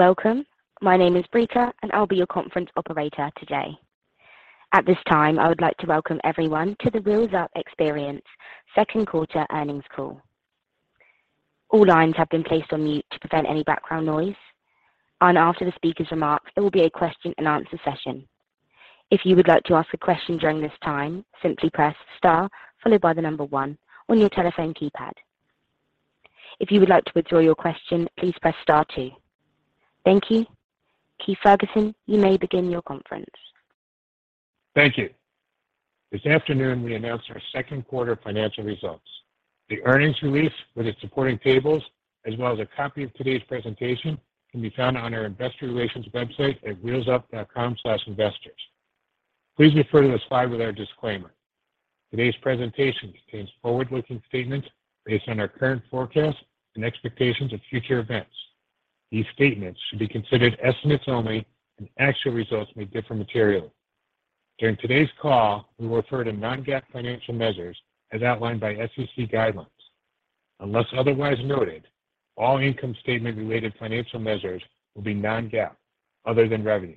Welcome. My name is Brika, and I'll be your conference operator today. At this time, I would like to welcome everyone to the Wheels Up Experience second quarter earnings call. All lines have been placed on mute to prevent any background noise. After the speaker's remarks, there will be a question-and-answer session. If you would like to ask a question during this time, simply press star followed by the number one on your telephone keypad. If you would like to withdraw your question, please press star two. Thank you. Keith Ferguson, you may begin your conference. Thank you. This afternoon we announced our second quarter financial results. The earnings release with its supporting tables, as well as a copy of today's presentation, can be found on our investor relations website at wheelsup.com/investors. Please refer to the slide with our disclaimer. Today's presentation contains forward-looking statements based on our current forecasts and expectations of future events. These statements should be considered estimates only, and actual results may differ materially. During today's call, we will refer to non-GAAP financial measures as outlined by SEC guidelines. Unless otherwise noted, all income statement-related financial measures will be non-GAAP, other than revenue.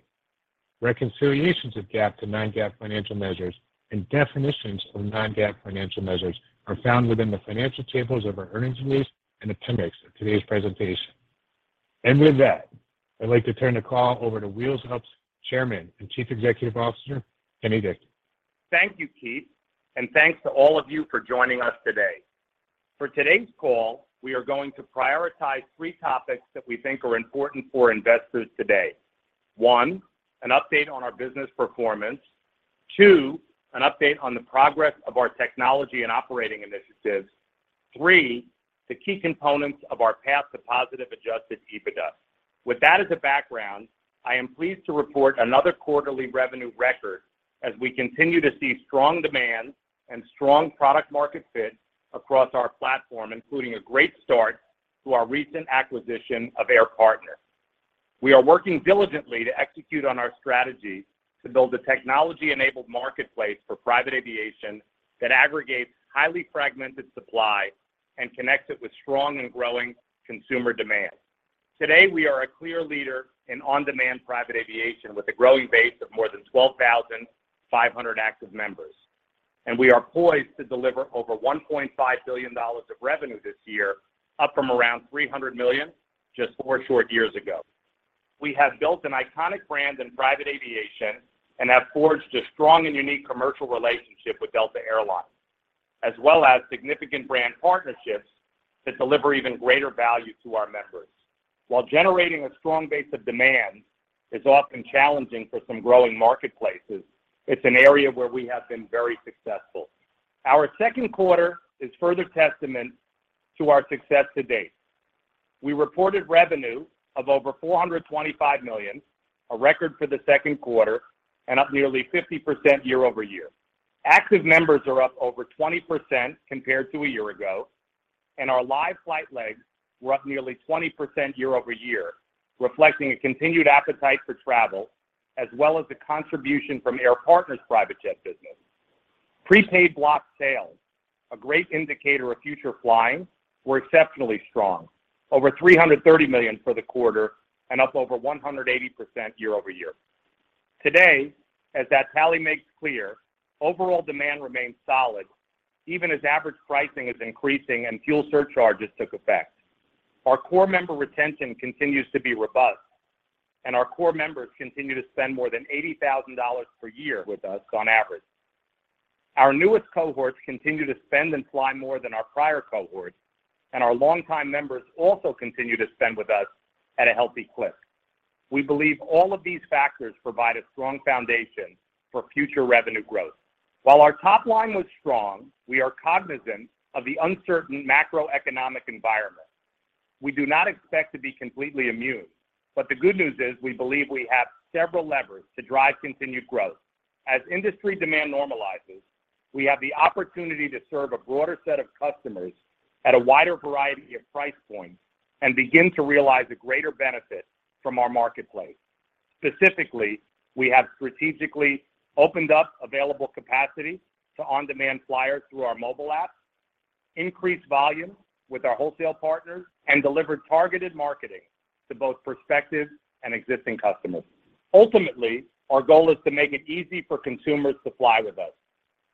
Reconciliations of GAAP to non-GAAP financial measures and definitions of non-GAAP financial measures are found within the financial tables of our earnings release and appendix of today's presentation. With that, I'd like to turn the call over to Wheels Up's Chairman and Chief Executive Officer, Kenny Dichter. Thank you, Keith. Thanks to all of you for joining us today. For today's call, we are going to prioritize three topics that we think are important for investors today. One, an update on our business performance. Two, an update on the progress of our technology and operating initiatives. Three, the key components of our path to positive Adjusted EBITDA. With that as a background, I am pleased to report another quarterly revenue record as we continue to see strong demand and strong product market fit across our platform, including a great start to our recent acquisition of Air Partner. We are working diligently to execute on our strategy to build a technology-enabled marketplace for private aviation that aggregates highly fragmented supply and connects it with strong and growing consumer demand. Today, we are a clear leader in on-demand private aviation with a growing base of more than 12,500 active members. We are poised to deliver over $1.5 billion of revenue this year, up from around $300 million just four short years ago. We have built an iconic brand in private aviation and have forged a strong and unique commercial relationship with Delta Air Lines, as well as significant brand partnerships that deliver even greater value to our members. While generating a strong base of demand is often challenging for some growing marketplaces, it's an area where we have been very successful. Our second quarter is further testament to our success to date. We reported revenue of over $425 million, a record for the second quarter and up nearly 50% year-over-year. Active members are up over 20% compared to a year ago, and our live flight legs were up nearly 20% year-over-year, reflecting a continued appetite for travel, as well as the contribution from Air Partner's private jet business. Prepaid block sales, a great indicator of future flying, were exceptionally strong, over $330 million for the quarter and up over 180% year-over-year. Today, as that tally makes clear, overall demand remains solid even as average pricing is increasing and fuel surcharges took effect. Our core member retention continues to be robust, and our core members continue to spend more than $80,000 per year with us on average. Our newest cohorts continue to spend and fly more than our prior cohorts, and our longtime members also continue to spend with us at a healthy clip. We believe all of these factors provide a strong foundation for future revenue growth. While our top line was strong, we are cognizant of the uncertain macroeconomic environment. We do not expect to be completely immune, but the good news is we believe we have several levers to drive continued growth. As industry demand normalizes, we have the opportunity to serve a broader set of customers at a wider variety of price points and begin to realize a greater benefit from our marketplace. Specifically, we have strategically opened up available capacity to on-demand flyers through our mobile app, increased volume with our wholesale partners, and delivered targeted marketing to both prospective and existing customers. Ultimately, our goal is to make it easy for consumers to fly with us.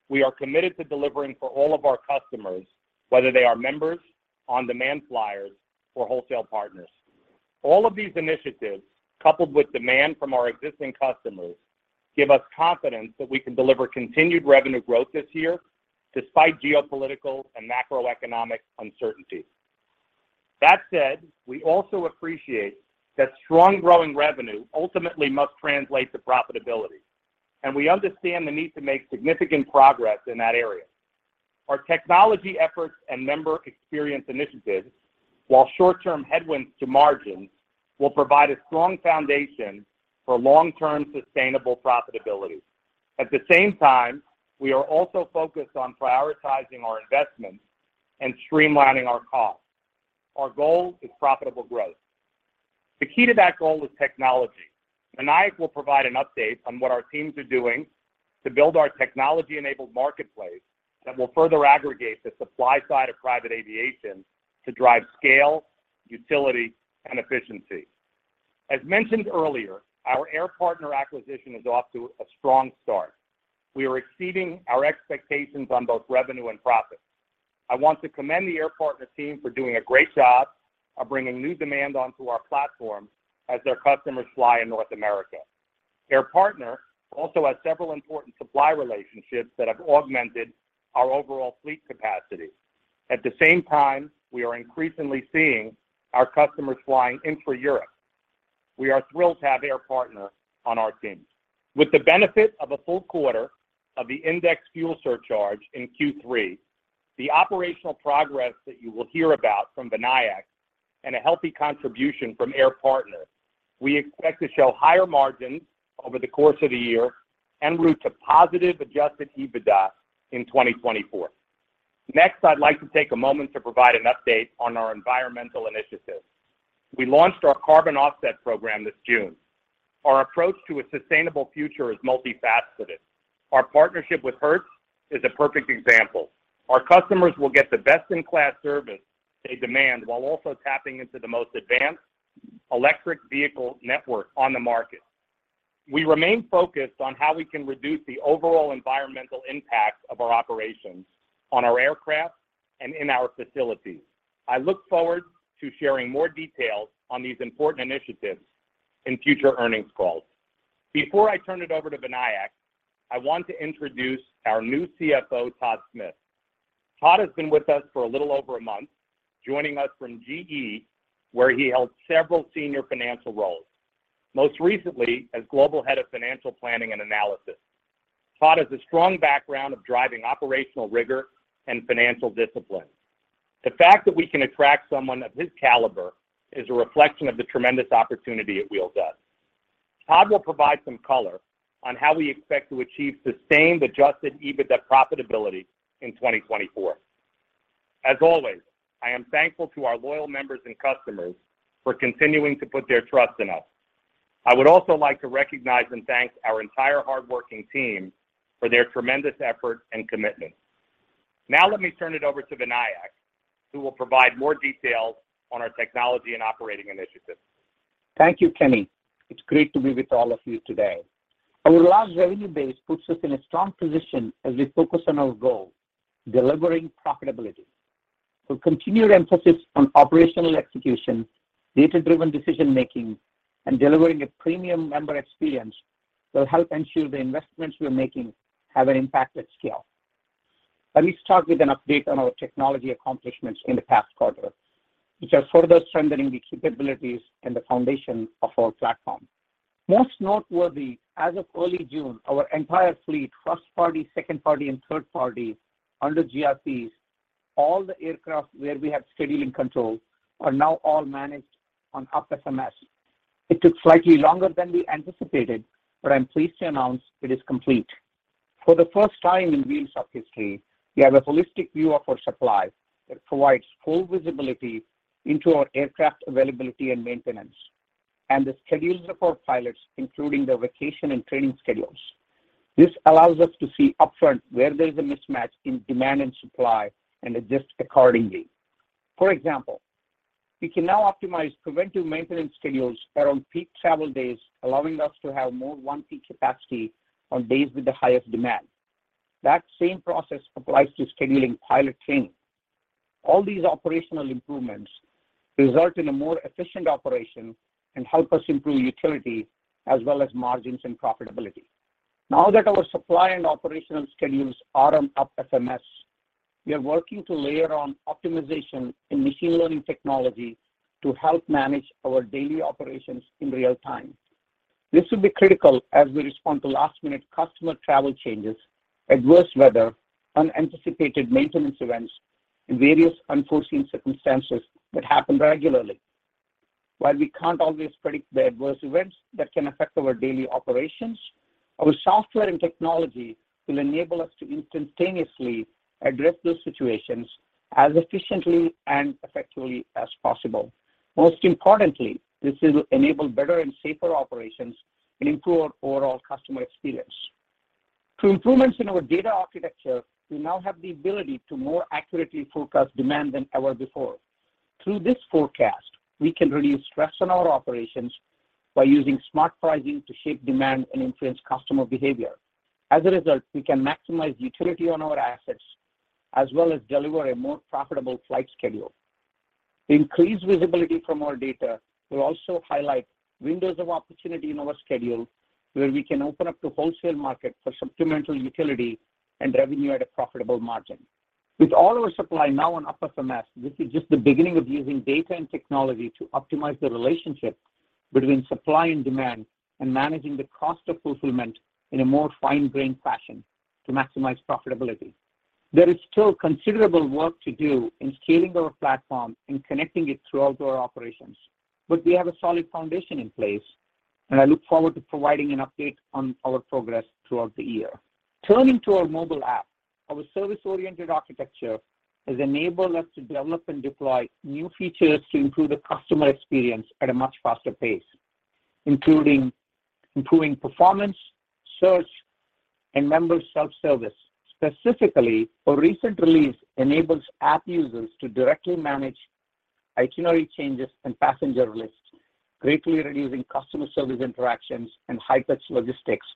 We are committed to delivering for all of our customers, whether they are members, on-demand flyers, or wholesale partners. All of these initiatives, coupled with demand from our existing customers, give us confidence that we can deliver continued revenue growth this year despite geopolitical and macroeconomic uncertainty. That said, we also appreciate that strong growing revenue ultimately must translate to profitability, and we understand the need to make significant progress in that area. Our technology efforts and member experience initiatives, while short-term headwinds to margins, will provide a strong foundation for long-term sustainable profitability. At the same time, we are also focused on prioritizing our investments and streamlining our costs. Our goal is profitable growth. The key to that goal is technology. Vinayak will provide an update on what our teams are doing to build our technology-enabled marketplace that will further aggregate the supply side of private aviation to drive scale, utility, and efficiency. As mentioned earlier, our Air Partner acquisition is off to a strong start. We are exceeding our expectations on both revenue and profit. I want to commend the Air Partner team for doing a great job of bringing new demand onto our platform as their customers fly in North America. Air Partner also has several important supply relationships that have augmented our overall fleet capacity. At the same time, we are increasingly seeing our customers flying intra-Europe. We are thrilled to have Air Partner on our team. With the benefit of a full quarter of the indexed fuel surcharge in Q3, the operational progress that you will hear about from Vinayak, and a healthy contribution from Air Partner, we expect to show higher margins over the course of the year en route to positive Adjusted EBITDA in 2024. Next, I'd like to take a moment to provide an update on our environmental initiatives. We launched our carbon offset program this June. Our approach to a sustainable future is multifaceted. Our partnership with Hertz is a perfect example. Our customers will get the best-in-class service they demand while also tapping into the most advanced electric vehicle network on the market. We remain focused on how we can reduce the overall environmental impact of our operations on our aircraft and in our facilities. I look forward to sharing more details on these important initiatives in future earnings calls. Before I turn it over to Vinayak, I want to introduce our new CFO, Todd Smith. Todd has been with us for a little over a month, joining us from GE, where he held several senior financial roles, most recently as Global Head of Financial Planning and Analysis. Todd has a strong background of driving operational rigor and financial discipline. The fact that we can attract someone of his caliber is a reflection of the tremendous opportunity at Wheels Up. Todd will provide some color on how we expect to achieve sustained adjusted EBITDA profitability in 2024. As always, I am thankful to our loyal members and customers for continuing to put their trust in us. I would also like to recognize and thank our entire hardworking team for their tremendous effort and commitment. Now let me turn it over to Vinayak, who will provide more details on our technology and operating initiatives. Thank you, Kenny. It's great to be with all of you today. Our large revenue base puts us in a strong position as we focus on our goal, delivering profitability. Continued emphasis on operational execution, data-driven decision-making, and delivering a premium member experience will help ensure the investments we are making have an impact at scale. Let me start with an update on our technology accomplishments in the past quarter, which are further strengthening the capabilities and the foundation of our platform. Most noteworthy, as of early June, our entire fleet, first-party, second-party, and third-party under GRPs, all the aircraft where we have scheduling control are now all managed on UP FMS. It took slightly longer than we anticipated, but I'm pleased to announce it is complete. For the first time in Wheels Up history, we have a holistic view of our supply that provides full visibility into our aircraft availability and maintenance, and the schedules of our pilots, including their vacation and training schedules. This allows us to see upfront where there is a mismatch in demand and supply, and adjust accordingly. For example, we can now optimize preventive maintenance schedules around peak travel days, allowing us to have more on-peak capacity on days with the highest demand. That same process applies to scheduling pilot training. All these operational improvements result in a more efficient operation and help us improve utility as well as margins and profitability. Now that our supply and operational schedules are on UP FMS, we are working to layer on optimization and machine learning technology to help manage our daily operations in real time. This will be critical as we respond to last-minute customer travel changes, adverse weather, unanticipated maintenance events, and various unforeseen circumstances that happen regularly. While we can't always predict the adverse events that can affect our daily operations, our software and technology will enable us to instantaneously address those situations as efficiently and effectively as possible. Most importantly, this will enable better and safer operations and improve our overall customer experience. Through improvements in our data architecture, we now have the ability to more accurately forecast demand than ever before. Through this forecast, we can reduce stress on our operations by using smart pricing to shape demand and influence customer behavior. As a result, we can maximize utility on our assets as well as deliver a more profitable flight schedule. Increased visibility from our data will also highlight windows of opportunity in our schedule where we can open up the wholesale market for supplemental utility and revenue at a profitable margin. With all of our supply now on UP FMS, this is just the beginning of using data and technology to optimize the relationship between supply and demand and managing the cost of fulfillment in a more fine-grained fashion to maximize profitability. There is still considerable work to do in scaling our platform and connecting it throughout our operations, but we have a solid foundation in place, and I look forward to providing an update on our progress throughout the year. Turning to our mobile app. Our service-oriented architecture has enabled us to develop and deploy new features to improve the customer experience at a much faster pace, including improving performance, search, and member self-service. Specifically, our recent release enables app users to directly manage itinerary changes and passenger lists, greatly reducing customer service interactions and high-touch logistics,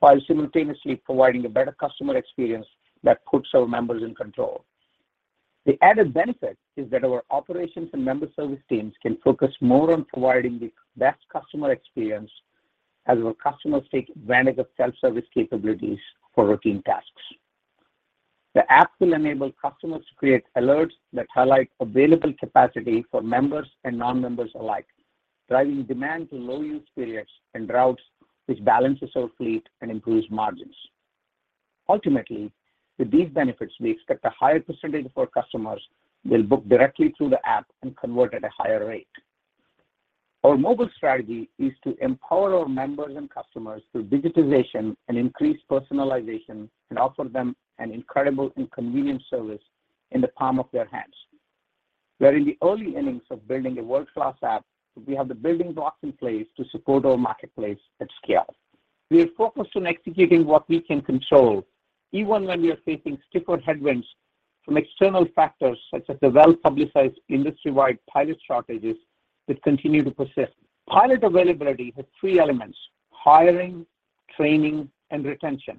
while simultaneously providing a better customer experience that puts our members in control. The added benefit is that our operations and member service teams can focus more on providing the best customer experience as our customers take advantage of self-service capabilities for routine tasks. The app will enable customers to create alerts that highlight available capacity for members and non-members alike, driving demand to low use periods and routes which balances our fleet and improves margins. Ultimately, with these benefits, we expect a higher percentage of our customers will book directly through the app and convert at a higher rate. Our mobile strategy is to empower our members and customers through digitization and increased personalization and offer them an incredible and convenient service in the palm of their hands. We're in the early innings of building a world-class app, but we have the building blocks in place to support our marketplace at scale. We are focused on executing what we can control, even when we are facing stiffened headwinds from external factors such as the well-publicized industry-wide pilot shortages that continue to persist. Pilot availability has three elements, hiring, training, and retention,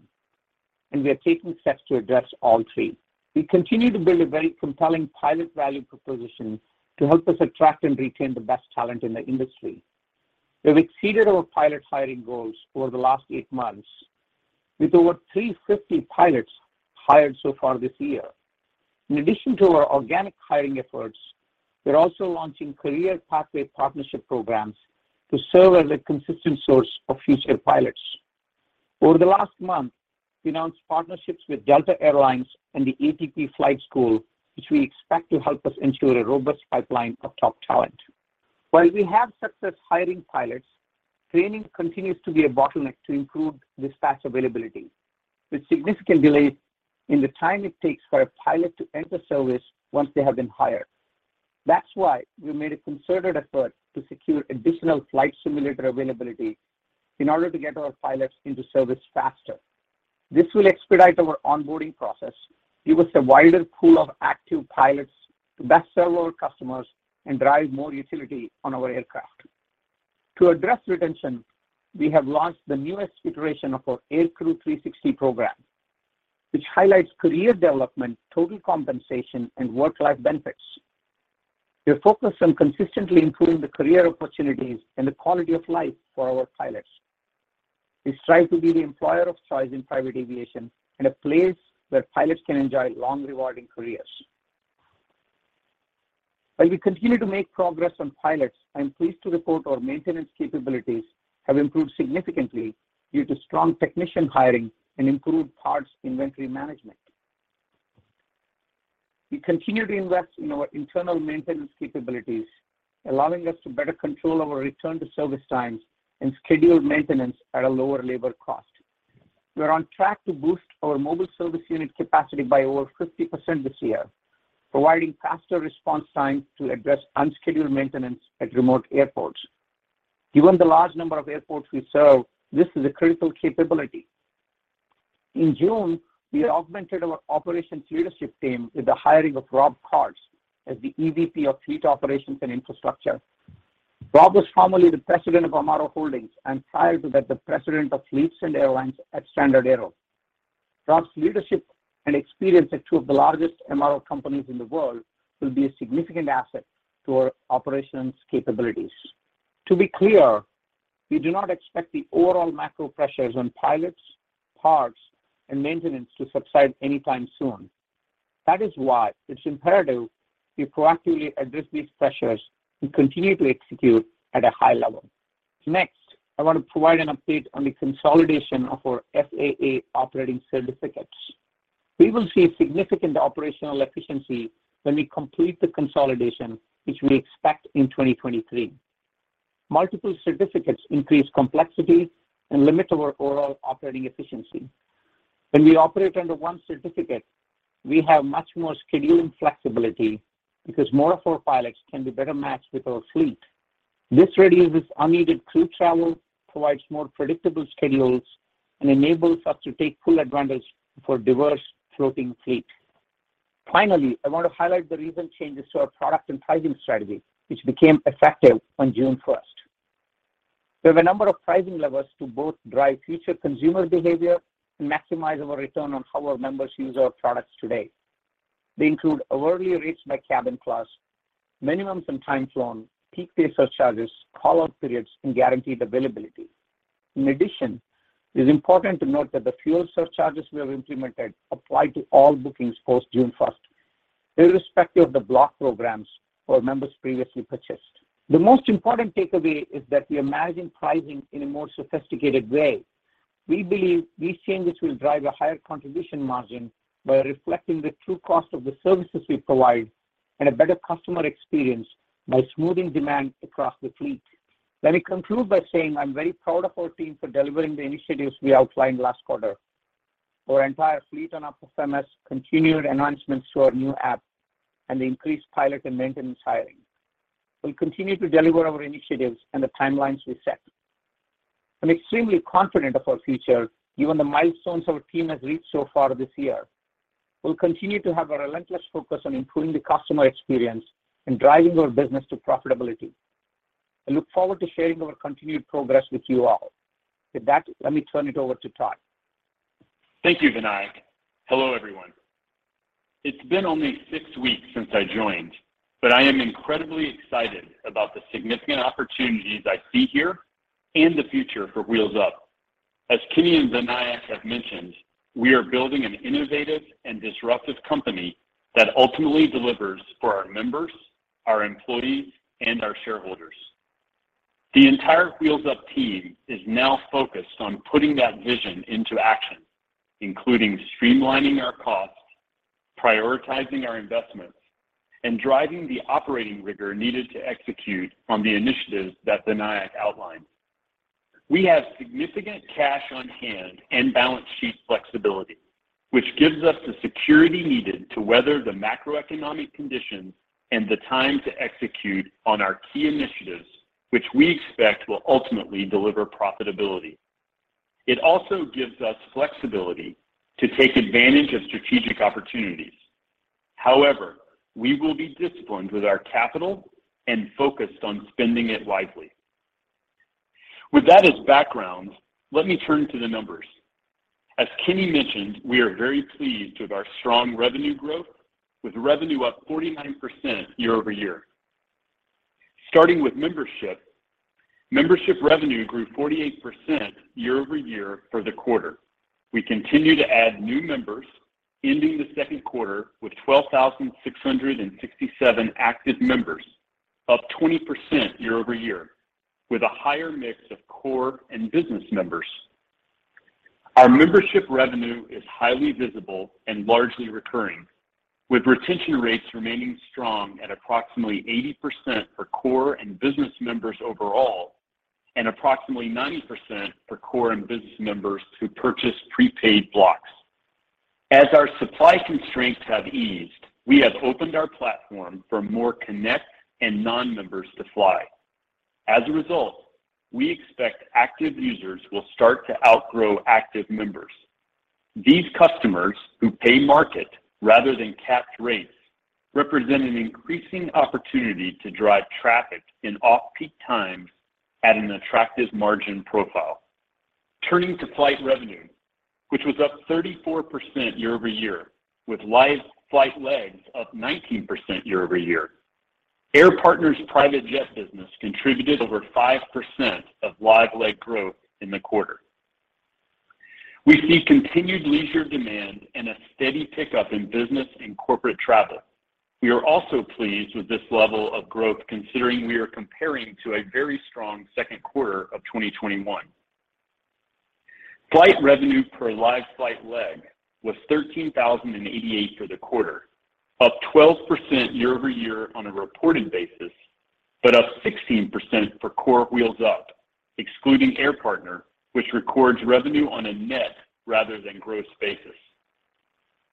and we are taking steps to address all three. We continue to build a very compelling pilot value proposition to help us attract and retain the best talent in the industry. We've exceeded our pilot hiring goals over the last eight months with over 350 pilots hired so far this year. In addition to our organic hiring efforts, we're also launching career pathway partnership programs to serve as a consistent source of future pilots. Over the last month, we announced partnerships with Delta Air Lines and the ATP Flight School, which we expect to help us ensure a robust pipeline of top talent. While we have success hiring pilots, training continues to be a bottleneck to improve dispatch availability, with significant delays in the time it takes for a pilot to enter service once they have been hired. That's why we made a concerted effort to secure additional flight simulator availability in order to get our pilots into service faster. This will expedite our onboarding process, give us a wider pool of active pilots to best serve our customers, and drive more utility on our aircraft. To address retention, we have launched the newest iteration of our Air Crew 360 program, which highlights career development, total compensation, and work-life benefits. We are focused on consistently improving the career opportunities and the quality of life for our pilots. We strive to be the employer of choice in private aviation and a place where pilots can enjoy long, rewarding careers. While we continue to make progress on pilots, I'm pleased to report our maintenance capabilities have improved significantly due to strong technician hiring and improved parts inventory management. We continue to invest in our internal maintenance capabilities, allowing us to better control our return to service times and schedule maintenance at a lower labor cost. We are on track to boost our mobile service unit capacity by over 50% this year, providing faster response times to address unscheduled maintenance at remote airports. Given the large number of airports we serve, this is a critical capability. In June, we augmented our operations leadership team with the hiring of Rob Cords as the EVP of Fleet Operations and Infrastructure. Rob was formerly the president of MRO Holdings and prior to that, the president of Fleets and Airlines at StandardAero. Rob's leadership and experience at two of the largest MRO companies in the world will be a significant asset to our operations capabilities. To be clear, we do not expect the overall macro pressures on pilots, parts, and maintenance to subside anytime soon. That is why it's imperative we proactively address these pressures and continue to execute at a high level. Next, I want to provide an update on the consolidation of our FAA operating certificates. We will see a significant operational efficiency when we complete the consolidation, which we expect in 2023. Multiple certificates increase complexity and limit our overall operating efficiency. When we operate under one certificate, we have much more scheduling flexibility because more of our pilots can be better matched with our fleet. This reduces unneeded crew travel, provides more predictable schedules, and enables us to take full advantage of our diverse floating fleet. Finally, I want to highlight the recent changes to our product and pricing strategy, which became effective on June 1st. We have a number of pricing levels to both drive future consumer behavior and maximize our return on how our members use our products today. They include hourly rates by cabin class, minimums and time flown, peak day surcharges, call-out periods, and guaranteed availability. In addition, it is important to note that the fuel surcharges we have implemented apply to all bookings post June 1st, irrespective of the block programs our members previously purchased. The most important takeaway is that we are managing pricing in a more sophisticated way. We believe these changes will drive a higher contribution margin by reflecting the true cost of the services we provide. A better customer experience by smoothing demand across the fleet. Let me conclude by saying I'm very proud of our team for delivering the initiatives we outlined last quarter. Our entire fleet and operations continued enhancements to our new app and increased pilot and maintenance hiring. We'll continue to deliver our initiatives and the timelines we set. I'm extremely confident of our future given the milestones our team has reached so far this year. We'll continue to have a relentless focus on improving the customer experience and driving our business to profitability. I look forward to sharing our continued progress with you all. With that, let me turn it over to Todd. Thank you, Vinayak. Hello, everyone. It's been only six weeks since I joined, but I am incredibly excited about the significant opportunities I see here and the future for Wheels Up. As Kenny and Vinayak have mentioned, we are building an innovative and disruptive company that ultimately delivers for our members, our employees, and our shareholders. The entire Wheels Up team is now focused on putting that vision into action, including streamlining our costs, prioritizing our investments, and driving the operating rigor needed to execute on the initiatives that Vinayak outlined. We have significant cash on hand and balance sheet flexibility, which gives us the security needed to weather the macroeconomic conditions and the time to execute on our key initiatives, which we expect will ultimately deliver profitability. It also gives us flexibility to take advantage of strategic opportunities. However, we will be disciplined with our capital and focused on spending it wisely. With that as background, let me turn to the numbers. As Kenny mentioned, we are very pleased with our strong revenue growth, with revenue up 49% year-over-year. Starting with membership, membership revenue grew 48% year-over-year for the quarter. We continue to add new members, ending the second quarter with 12,667 active members, up 20% year-over-year, with a higher mix of core and business members. Our membership revenue is highly visible and largely recurring, with retention rates remaining strong at approximately 80% for core and business members overall and approximately 90% for core and business members who purchase prepaid blocks. As our supply constraints have eased, we have opened our platform for more connect and non-members to fly. As a result, we expect active users will start to outgrow active members. These customers who pay market rather than capped rates represent an increasing opportunity to drive traffic in off-peak times at an attractive margin profile. Turning to flight revenue, which was up 34% year-over-year, with live flight legs up 19% year-over-year. Air Partner's private jet business contributed over 5% of live leg growth in the quarter. We see continued leisure demand and a steady pickup in business and corporate travel. We are also pleased with this level of growth considering we are comparing to a very strong second quarter of 2021. Flight revenue per live flight leg was $13,088 for the quarter, up 12% year-over-year on a reported basis, but up 16% for core Wheels Up, excluding Air Partner, which records revenue on a net rather than gross basis.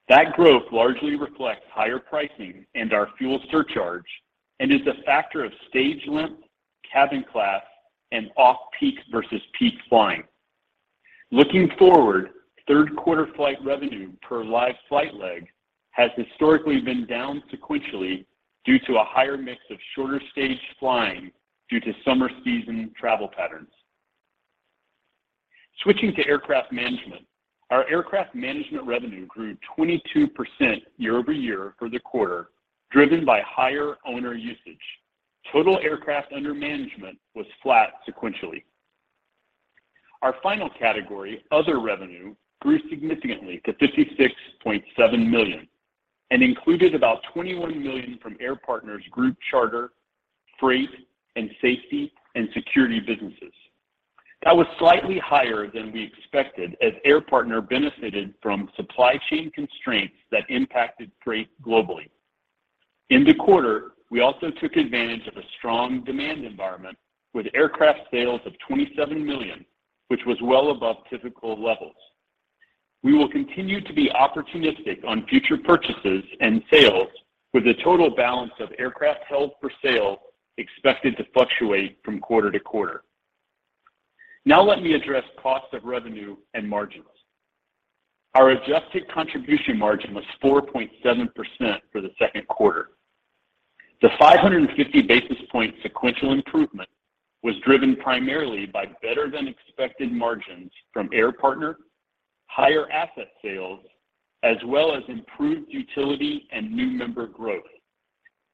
That growth largely reflects higher pricing and our fuel surcharge and is a factor of stage length, cabin class, and off-peak versus peak flying. Looking forward, third quarter flight revenue per live flight leg has historically been down sequentially due to a higher mix of shorter stage flying due to summer season travel patterns. Switching to aircraft management. Our aircraft management revenue grew 22% year-over-year for the quarter, driven by higher owner usage. Total aircraft under management was flat sequentially. Our final category, other revenue, grew significantly to $56.7 million and included about $21 million from Air Partner's group charter, freight, and safety and security businesses. That was slightly higher than we expected as Air Partner benefited from supply chain constraints that impacted freight globally. In the quarter, we also took advantage of a strong demand environment with aircraft sales of $27 million, which was well above typical levels. We will continue to be opportunistic on future purchases and sales with a total balance of aircraft held for sale expected to fluctuate from quarter to quarter. Now let me address cost of revenue and margins. Our Adjusted Contribution Margin was 4.7% for the second quarter. The 550 basis point sequential improvement was driven primarily by better than expected margins from Air Partner, higher asset sales, as well as improved utility and new member growth,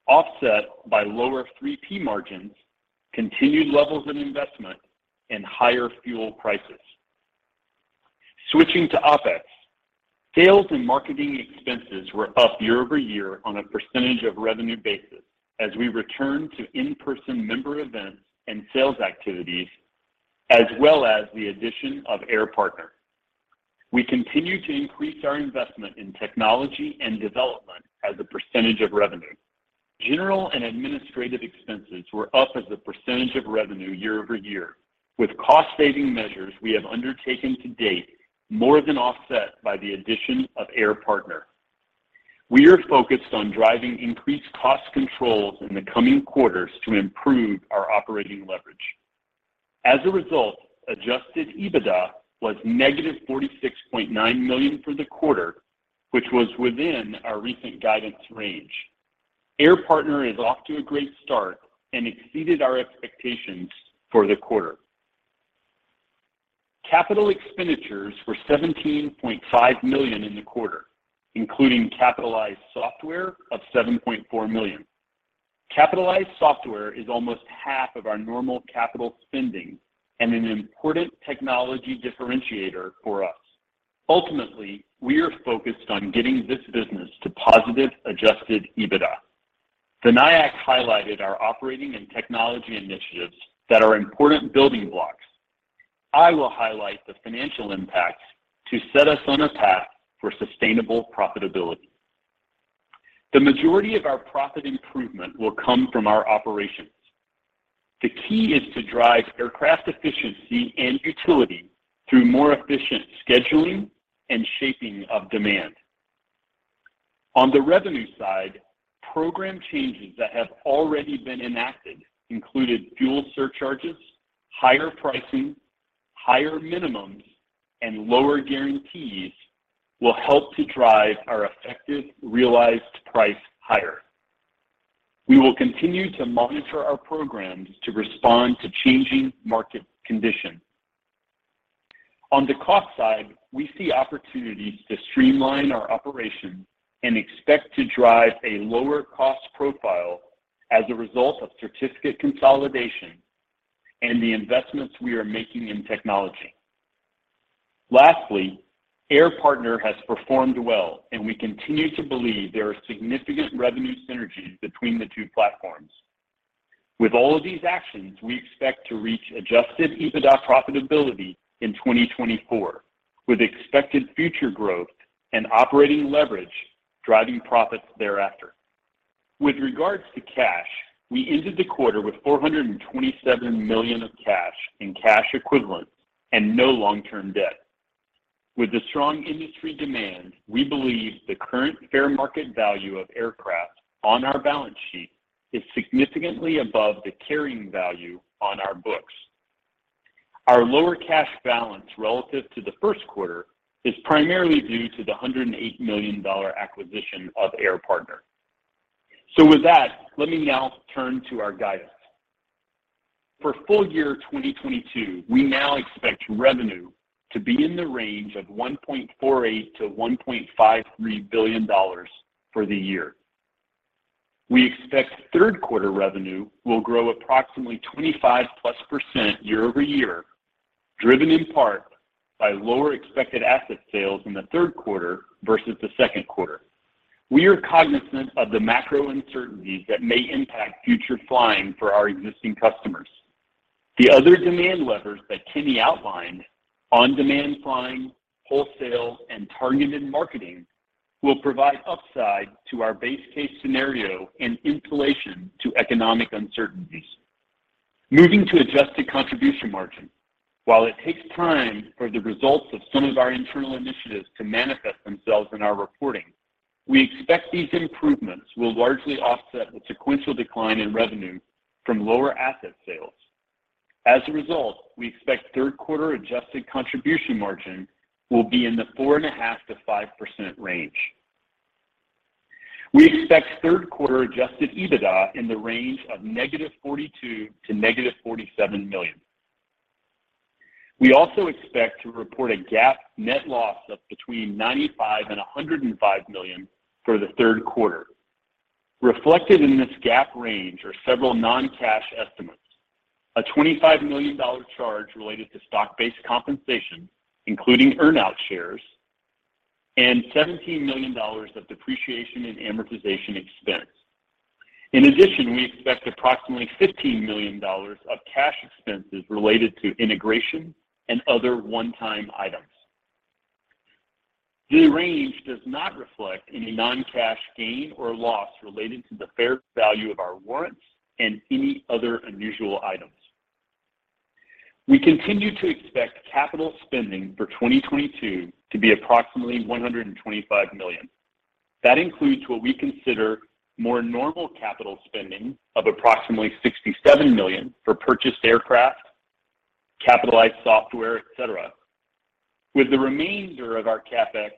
offset by lower 3P margins, continued levels of investment, and higher fuel prices. Switching to OpEx. Sales and marketing expenses were up year-over-year on a percentage of revenue basis as we return to in-person member events and sales activities, as well as the addition of Air Partner. We continue to increase our investment in technology and development as a percentage of revenue. General and administrative expenses were up as a percentage of revenue year-over-year with cost saving measures we have undertaken to date more than offset by the addition of Air Partner. We are focused on driving increased cost controls in the coming quarters to improve our operating leverage. As a result, Adjusted EBITDA was negative $46.9 million for the quarter, which was within our recent guidance range. Air Partner is off to a great start and exceeded our expectations for the quarter. Capital expenditures were $17.5 million in the quarter, including capitalized software of $7.4 million. Capitalized software is almost half of our normal capital spending and an important technology differentiator for us. Ultimately, we are focused on getting this business to positive Adjusted EBITDA. Vinayak highlighted our operating and technology initiatives that are important building blocks. I will highlight the financial impacts to set us on a path for sustainable profitability. The majority of our profit improvement will come from our operations. The key is to drive aircraft efficiency and utility through more efficient scheduling and shaping of demand. On the revenue side, program changes that have already been enacted included fuel surcharges, higher pricing, higher minimums, and lower guarantees will help to drive our effective realized price higher. We will continue to monitor our programs to respond to changing market conditions. On the cost side, we see opportunities to streamline our operations and expect to drive a lower cost profile as a result of certificate consolidation and the investments we are making in technology. Lastly, Air Partner has performed well, and we continue to believe there are significant revenue synergies between the two platforms. With all of these actions, we expect to reach adjusted EBITDA profitability in 2024, with expected future growth and operating leverage driving profits thereafter. With regards to cash, we ended the quarter with $427 million of cash and cash equivalents and no long-term debt. With the strong industry demand, we believe the current fair market value of aircraft on our balance sheet is significantly above the carrying value on our books. Our lower cash balance relative to the first quarter is primarily due to the $108 million acquisition of Air Partner. With that, let me now turn to our guidance. For full year 2022, we now expect revenue to be in the range of $1.48 billion-$1.53 billion for the year. We expect third quarter revenue will grow approximately 25%+ year-over-year, driven in part by lower expected asset sales in the third quarter versus the second quarter. We are cognizant of the macro uncertainties that may impact future flying for our existing customers. The other demand levers that Kenny outlined, on-demand flying, wholesale, and targeted marketing, will provide upside to our base case scenario and insulation to economic uncertainties. Moving to Adjusted Contribution Margin. While it takes time for the results of some of our internal initiatives to manifest themselves in our reporting, we expect these improvements will largely offset the sequential decline in revenue from lower asset sales. As a result, we expect third quarter Adjusted Contribution Margin will be in the 4.5%-5% range. We expect third quarter Adjusted EBITDA in the range of negative $42 million-negative $47 million. We also expect to report a GAAP net loss of between $95 million and $105 million for the third quarter. Reflected in this GAAP range are several non-cash estimates, a $25 million charge related to stock-based compensation, including earn-out shares, and $17 million of depreciation and amortization expense. In addition, we expect approximately $15 million of cash expenses related to integration and other one-time items. The range does not reflect any non-cash gain or loss related to the fair value of our warrants and any other unusual items. We continue to expect capital spending for 2022 to be approximately $125 million. That includes what we consider more normal capital spending of approximately $67 million for purchased aircraft, capitalized software, etc. With the remainder of our CapEx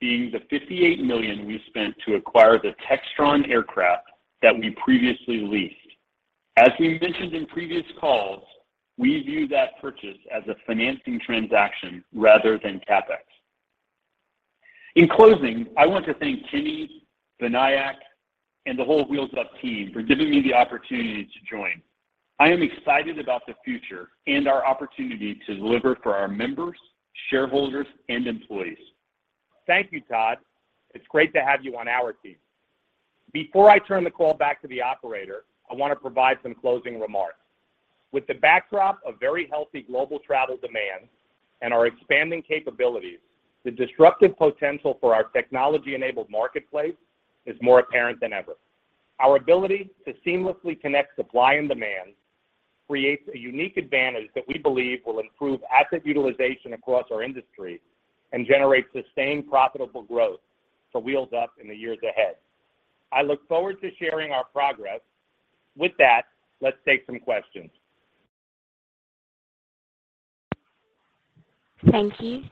being the $58 million we spent to acquire the Textron aircraft that we previously leased. As we mentioned in previous calls, we view that purchase as a financing transaction rather than CapEx. In closing, I want to thank Kenny, Vinayak, and the whole Wheels Up team for giving me the opportunity to join. I am excited about the future and our opportunity to deliver for our members, shareholders, and employees. Thank you, Todd. It's great to have you on our team. Before I turn the call back to the operator, I want to provide some closing remarks. With the backdrop of very healthy global travel demand and our expanding capabilities, the disruptive potential for our technology-enabled marketplace is more apparent than ever. Our ability to seamlessly connect supply and demand creates a unique advantage that we believe will improve asset utilization across our industry and generate sustained profitable growth for Wheels Up in the years ahead. I look forward to sharing our progress. With that, let's take some questions. Thank you.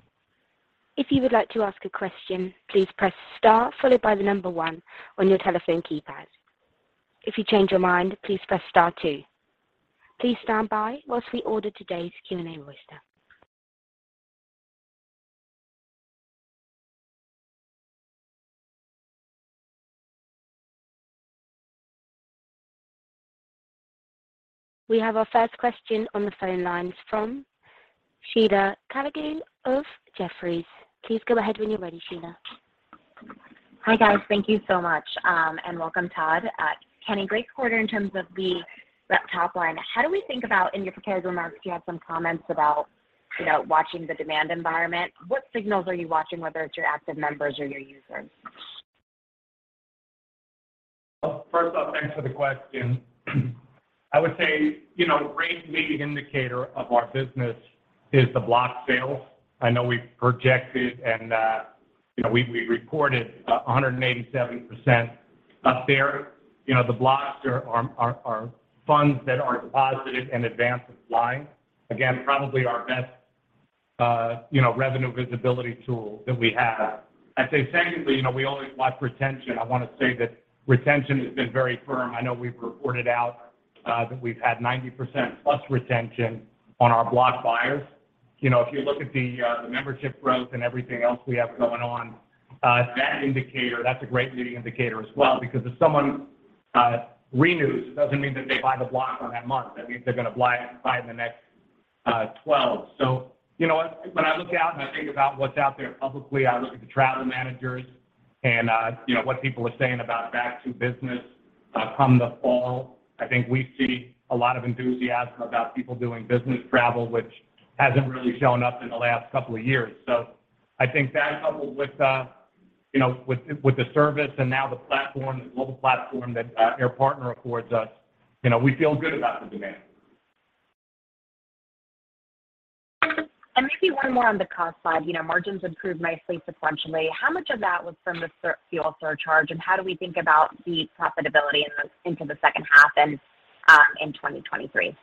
If you would like to ask a question, please press star followed by the number one on your telephone keypad. If you change your mind, please press star-two. Please stand by while we order today's Q&A roster. We have our first question on the phone lines from Sheila Kahyaoglu of Jefferies. Please go ahead when you're ready, Sheila. Hi, guys. Thank you so much, and welcome, Todd. Kenny, great quarter in terms of the rev top line. How do we think about in your prepared remarks, you had some comments about, you know, watching the demand environment. What signals are you watching, whether it's your active members or your users? First off, thanks for the question. I would say, you know, great leading indicator of our business is the block sales. I know we projected and, you know, we reported 187% up there. You know, the blocks are funds that are deposited in advance of flying. Again, probably our best, you know, revenue visibility tool that we have. I'd say secondly, you know, we always watch retention. I want to say that retention has been very firm. I know we've reported out that we've had 90%+ retention on our block buyers. You know, if you look at the membership growth and everything else we have going on, that indicator, that's a great leading indicator as well. Because if someone renews, it doesn't mean that they buy the block on that month. That means they're going to buy in the next 12. You know what? When I look out and I think about what's out there publicly, I look at the travel managers and, you know, what people are saying about back to business, come the fall. I think we see a lot of enthusiasm about people doing business travel, which hasn't really shown up in the last couple of years. I think that coupled with, you know, with the service and now the platform, the global platform that Air Partner affords us, you know, we feel good about the demand. Maybe one more on the cost side. You know, margins improved nicely sequentially. How much of that was from the fuel surcharge, and how do we think about the profitability into the second half and in 2023?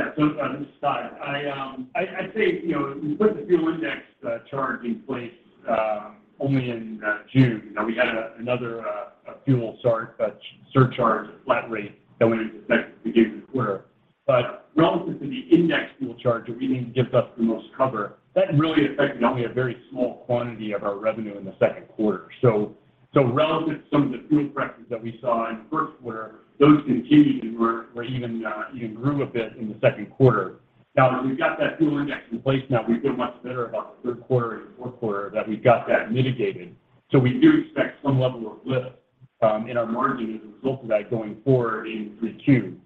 Yeah. This is Todd. I'd say, you know, we put the fuel index charge in place only in June. We had another fuel surcharge, flat rate that went into effect at the beginning of the quarter. Relative to the index fuel charge that we think gives us the most cover, that really affected only a very small quantity of our revenue in the second quarter. Relative to some of the fuel pressures that we saw in first quarter, those continued and were even grew a bit in the second quarter. Now that we've got that fuel index in place, now we feel much better about the third quarter and fourth quarter that we've got that mitigated. We do expect some level of lift in our margin as a result of that going forward into Q2.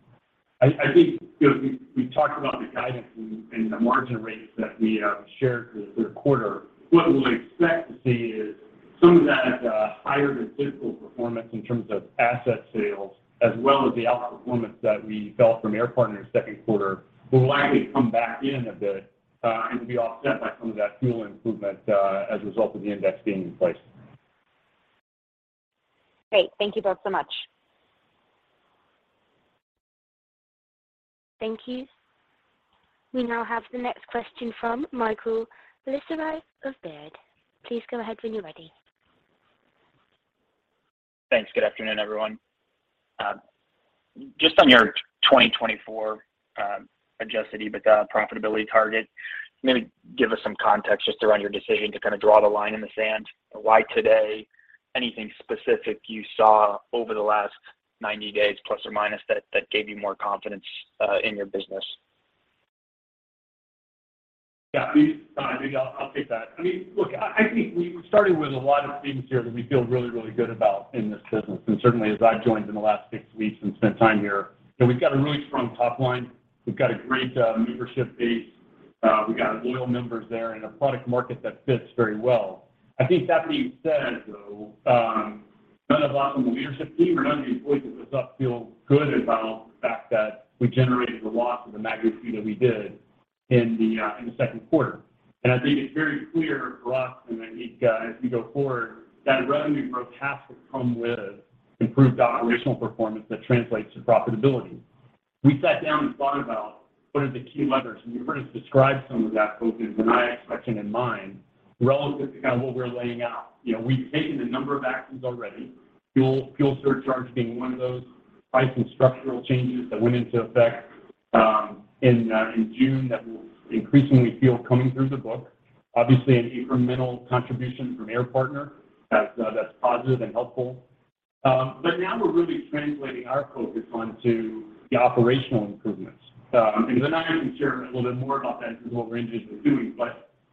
I think, you know, we talked about the guidance and the margin rates that we shared for the third quarter. What we expect to see is some of that higher than typical performance in terms of asset sales as well as the outperformance that we felt from Air Partner second quarter will likely come back in a bit and be offset by some of that fuel improvement as a result of the index being in place. Great. Thank you both so much. Thank you. We now have the next question from Michael Liang of Baird. Please go ahead when you're ready. Thanks. Good afternoon, everyone. Just on your 2024 adjusted EBITDA profitability target, can you give us some context just around your decision to kind of draw the line in the sand? Why today? Anything specific you saw over the last 90 days, plus/minus, that gave you more confidence in your business? Yeah. Maybe I'll take that. I mean, look, I think we're starting with a lot of things here that we feel really good about in this business. Certainly, as I've joined in the last six weeks and spent time here, you know, we've got a really strong top line. We've got a great membership base. We got loyal members there and a product market that fits very well. I think that being said, though, none of us on the leadership team or none of the employees that are upset feel good about the fact that we generated a loss of the magnitude that we did in the second quarter. I think it's very clear for us and I think, as we go forward that revenue growth has to come with improved operational performance that translates to profitability. We sat down and thought about what are the key levers, and you heard us describe some of that, both in Vinayak's section and mine, relative to kind of what we're laying out. You know, we've taken a number of actions already, fuel surcharge being one of those. Price and structural changes that went into effect, in June that we'll increasingly feel coming through the book. Obviously, an incremental contribution from Air Partner that's positive and helpful. Now we're really translating our focus onto the operational improvements. I can share a little bit more about that and what ranges we're doing.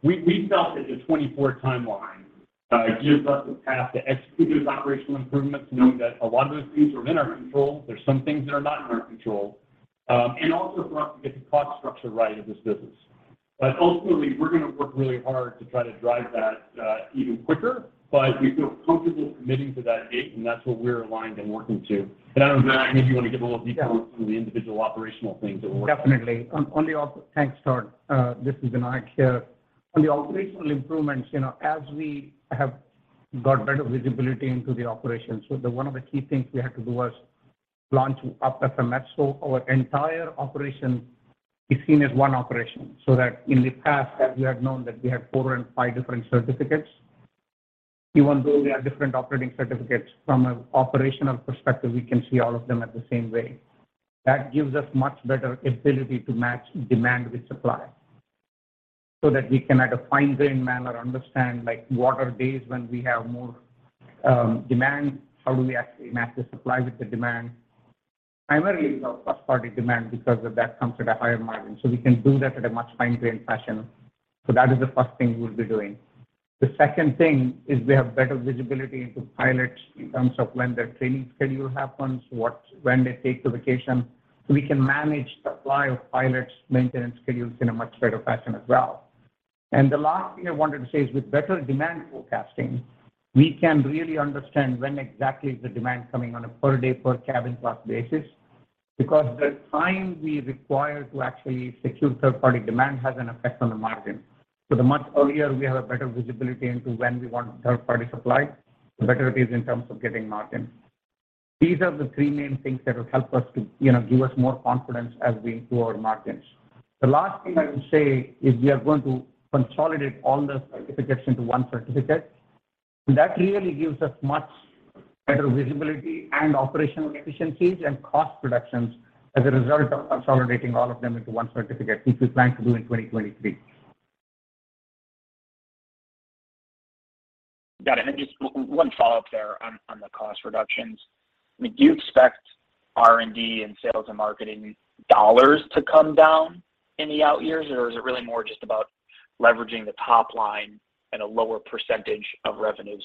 We felt that the 2024 timeline gives us the path to execute those operational improvements, knowing that a lot of those things are in our control. There's some things that are not in our control, and also for us to get the cost structure right of this business. Ultimately, we're going to work really hard to try to drive that even quicker. We feel comfortable committing to that date, and that's what we're aligned and working to. I don't know, Vinayak, maybe you want to give a little detail on some of the individual operational things that we're working on. Definitely. Thanks, Todd. This is Vinayak here. On the operational improvements, you know, as we have got better visibility into the operations, one of the key things we had to do was launch up as a metro. Our entire operation is seen as one operation, so that in the past, as you have known, that we had four and five different certificates. Even though we have different operating certificates, from a operational perspective, we can see all of them at the same way. That gives us much better ability to match demand with supply so that we can, at a fine-grain manner, understand, like, what are days when we have more demand. How do we actually match the supply with the demand? Primarily is our first-party demand because that comes at a higher margin. We can do that at a much fine-grain fashion. That is the first thing we'll be doing. The second thing is we have better visibility into pilots in terms of when their training schedule happens, when they take the vacation. We can manage supply of pilots' maintenance schedules in a much better fashion as well. The last thing I wanted to say is with better demand forecasting, we can really understand when exactly is the demand coming on a per-day, per-cabin class basis. Because the time we require to actually secure third-party demand has an effect on the margin. The much earlier we have a better visibility into when we want third-party supply, the better it is in terms of getting margin. These are the three main things that will help us to, you know, give us more confidence as we improve our margins. The last thing I will say is we are going to consolidate all the certificates into one certificate. That really gives us much better visibility and operational efficiencies and cost reductions as a result of consolidating all of them into one certificate, which we plan to do in 2023. Got it. Just one follow-up there on the cost reductions. I mean, do you expect R&D and sales and marketing dollars to come down in the out years, or is it really more just about leveraging the top line at a lower percentage of revenues?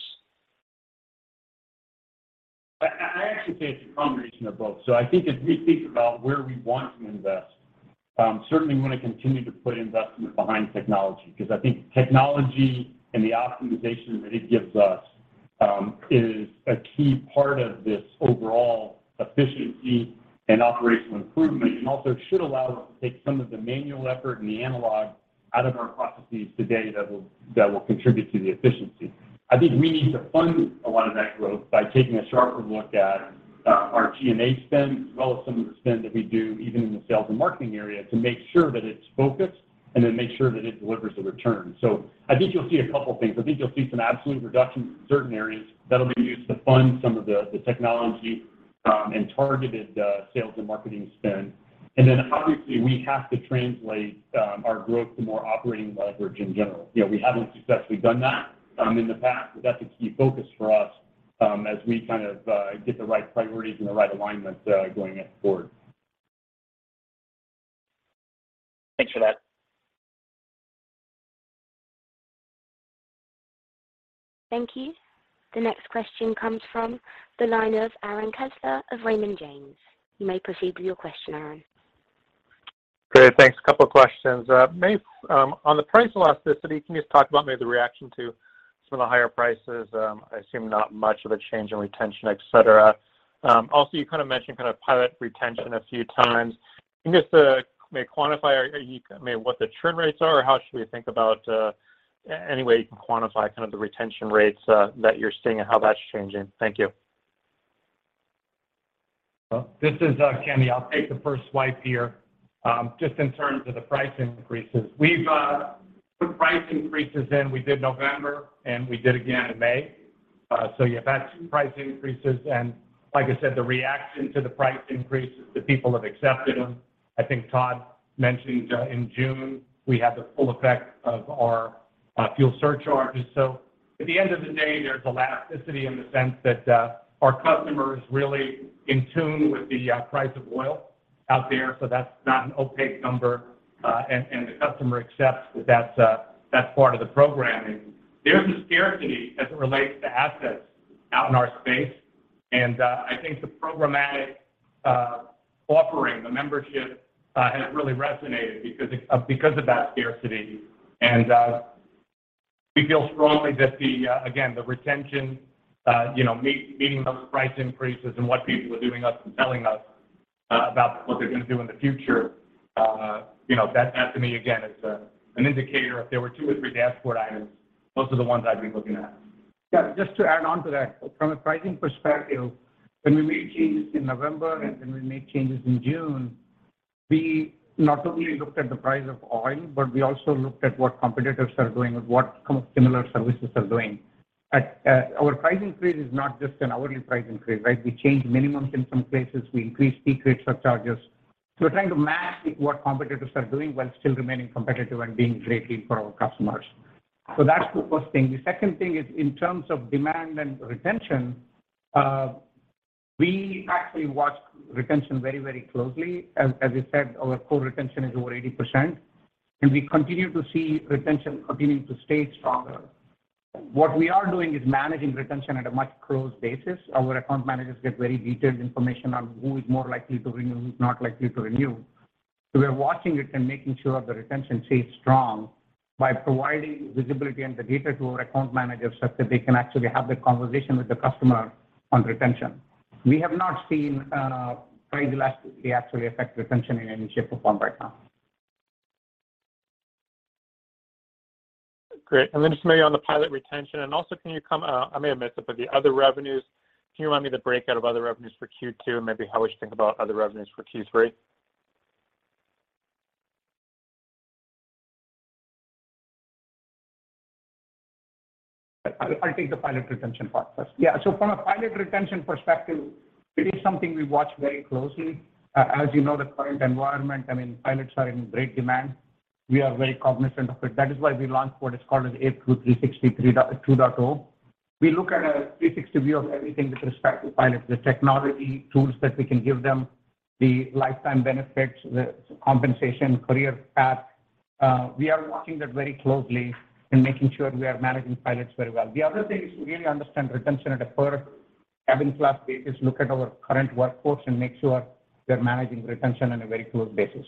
I actually say it's a combination of both. I think as we think about where we want to invest, certainly want to continue to put investment behind technology because I think technology and the optimization that it gives us is a key part of this overall efficiency and operational improvement, and also should allow us to take some of the manual effort and the analog out of our processes today that will contribute to the efficiency. I think we need to fund a lot of that growth by taking a sharper look at our G&A spend, as well as some of the spend that we do even in the sales and marketing area to make sure that it's focused and then make sure that it delivers a return. I think you'll see a couple things. I think you'll see some absolute reductions in certain areas that'll be used to fund some of the technology and targeted sales and marketing spend. Obviously, we have to translate our growth to more operating leverage in general. You know, we haven't successfully done that in the past, but that's a key focus for us as we kind of get the right priorities and the right alignment going forward. Thanks for that. Thank you. The next question comes from the line of Aaron Kessler of Raymond James. You may proceed with your question, Aaron. Great. Thanks. A couple questions. On the price elasticity, can you just talk about maybe the reaction to some of the higher prices? I assume not much of a change in retention, etc. Also, you kind of mentioned kind of pilot retention a few times. Can you just, I mean, what the churn rates are, or how should we think about, any way you can quantify kind of the retention rates that you're seeing and how that's changing? Thank you. Well, this is Kenny. I'll take the first swipe here. Just in terms of the price increases. We've put price increases in. We did November, and we did again in May. You've had two price increases. Like I said, the reaction to the price increases, the people have accepted them. I think Todd mentioned, in June, we had the full effect of our fuel surcharges. At the end of the day, there's elasticity in the sense that our customer is really in tune with the price of oil out there, so that's not an opaque number. The customer accepts that that's part of the programming. There's a scarcity as it relates to assets out in our space, and I think the programmatic offering, the membership, has really resonated because of that scarcity. We feel strongly that the, again, the retention, you know, meeting those price increases and what people are giving us and telling us about what they're going to do in the future, you know, that to me, again, is an indicator. If there were two or three dashboard items, those are the ones I'd be looking at. Yeah, just to add on to that. From a pricing perspective, when we made changes in November and when we made changes in June, we not only looked at the price of oil, but we also looked at what competitors are doing and what kind of similar services are doing. At our pricing increase is not just an hourly pricing increase, right? We changed minimums in some places. We increased peak rate surcharges. We're trying to match what competitors are doing while still remaining competitive and being great for our customers. That's the first thing. The second thing is in terms of demand and retention, we actually watch retention very, very closely. As you said, our core retention is over 80%, and we continue to see retention continuing to stay stronger. What we are doing is managing retention at a much closer basis. Our account managers get very detailed information on who is more likely to renew, who's not likely to renew. We are watching it and making sure the retention stays strong by providing visibility and the data to our account managers such that they can actually have the conversation with the customer on retention. We have not seen price elasticity actually affect retention in any shape or form right now. Great. Just maybe on the pilot retention, and also can you comment, I may have messed up, but the other revenues. Can you remind me the breakdown of other revenues for Q2 and maybe how we should think about other revenues for Q3? I'll take the pilot retention part first. Yeah, so from a pilot retention perspective, it is something we watch very closely. As you know, the current environment, I mean, pilots are in great demand. We are very cognizant of it. That is why we launched what is called Air Crew 360 2.0. We look at a 360 view of everything with respect to pilots, the technology, tools that we can give them, the lifetime benefits, the compensation, career path. We are watching that very closely and making sure we are managing pilots very well. The other thing is to really understand retention at a per cabin class basis, look at our current workforce, and make sure we're managing retention on a very close basis.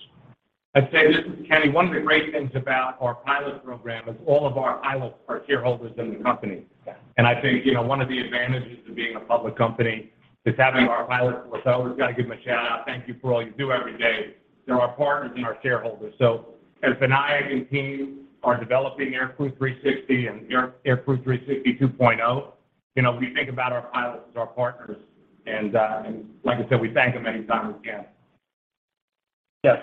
I'd say this, Kenny. One of the great things about our pilot program is all of our pilots are shareholders in the company. I think, you know, one of the advantages of being a public company is having our pilots with us. We always gotta give them a shout-out. Thank you for all you do every day. They're our partners and our shareholders. As Vinayak and team are developing Air Crew 360 2.0, you know, we think about our pilots as our partners. Like I said, we thank them anytime we can. I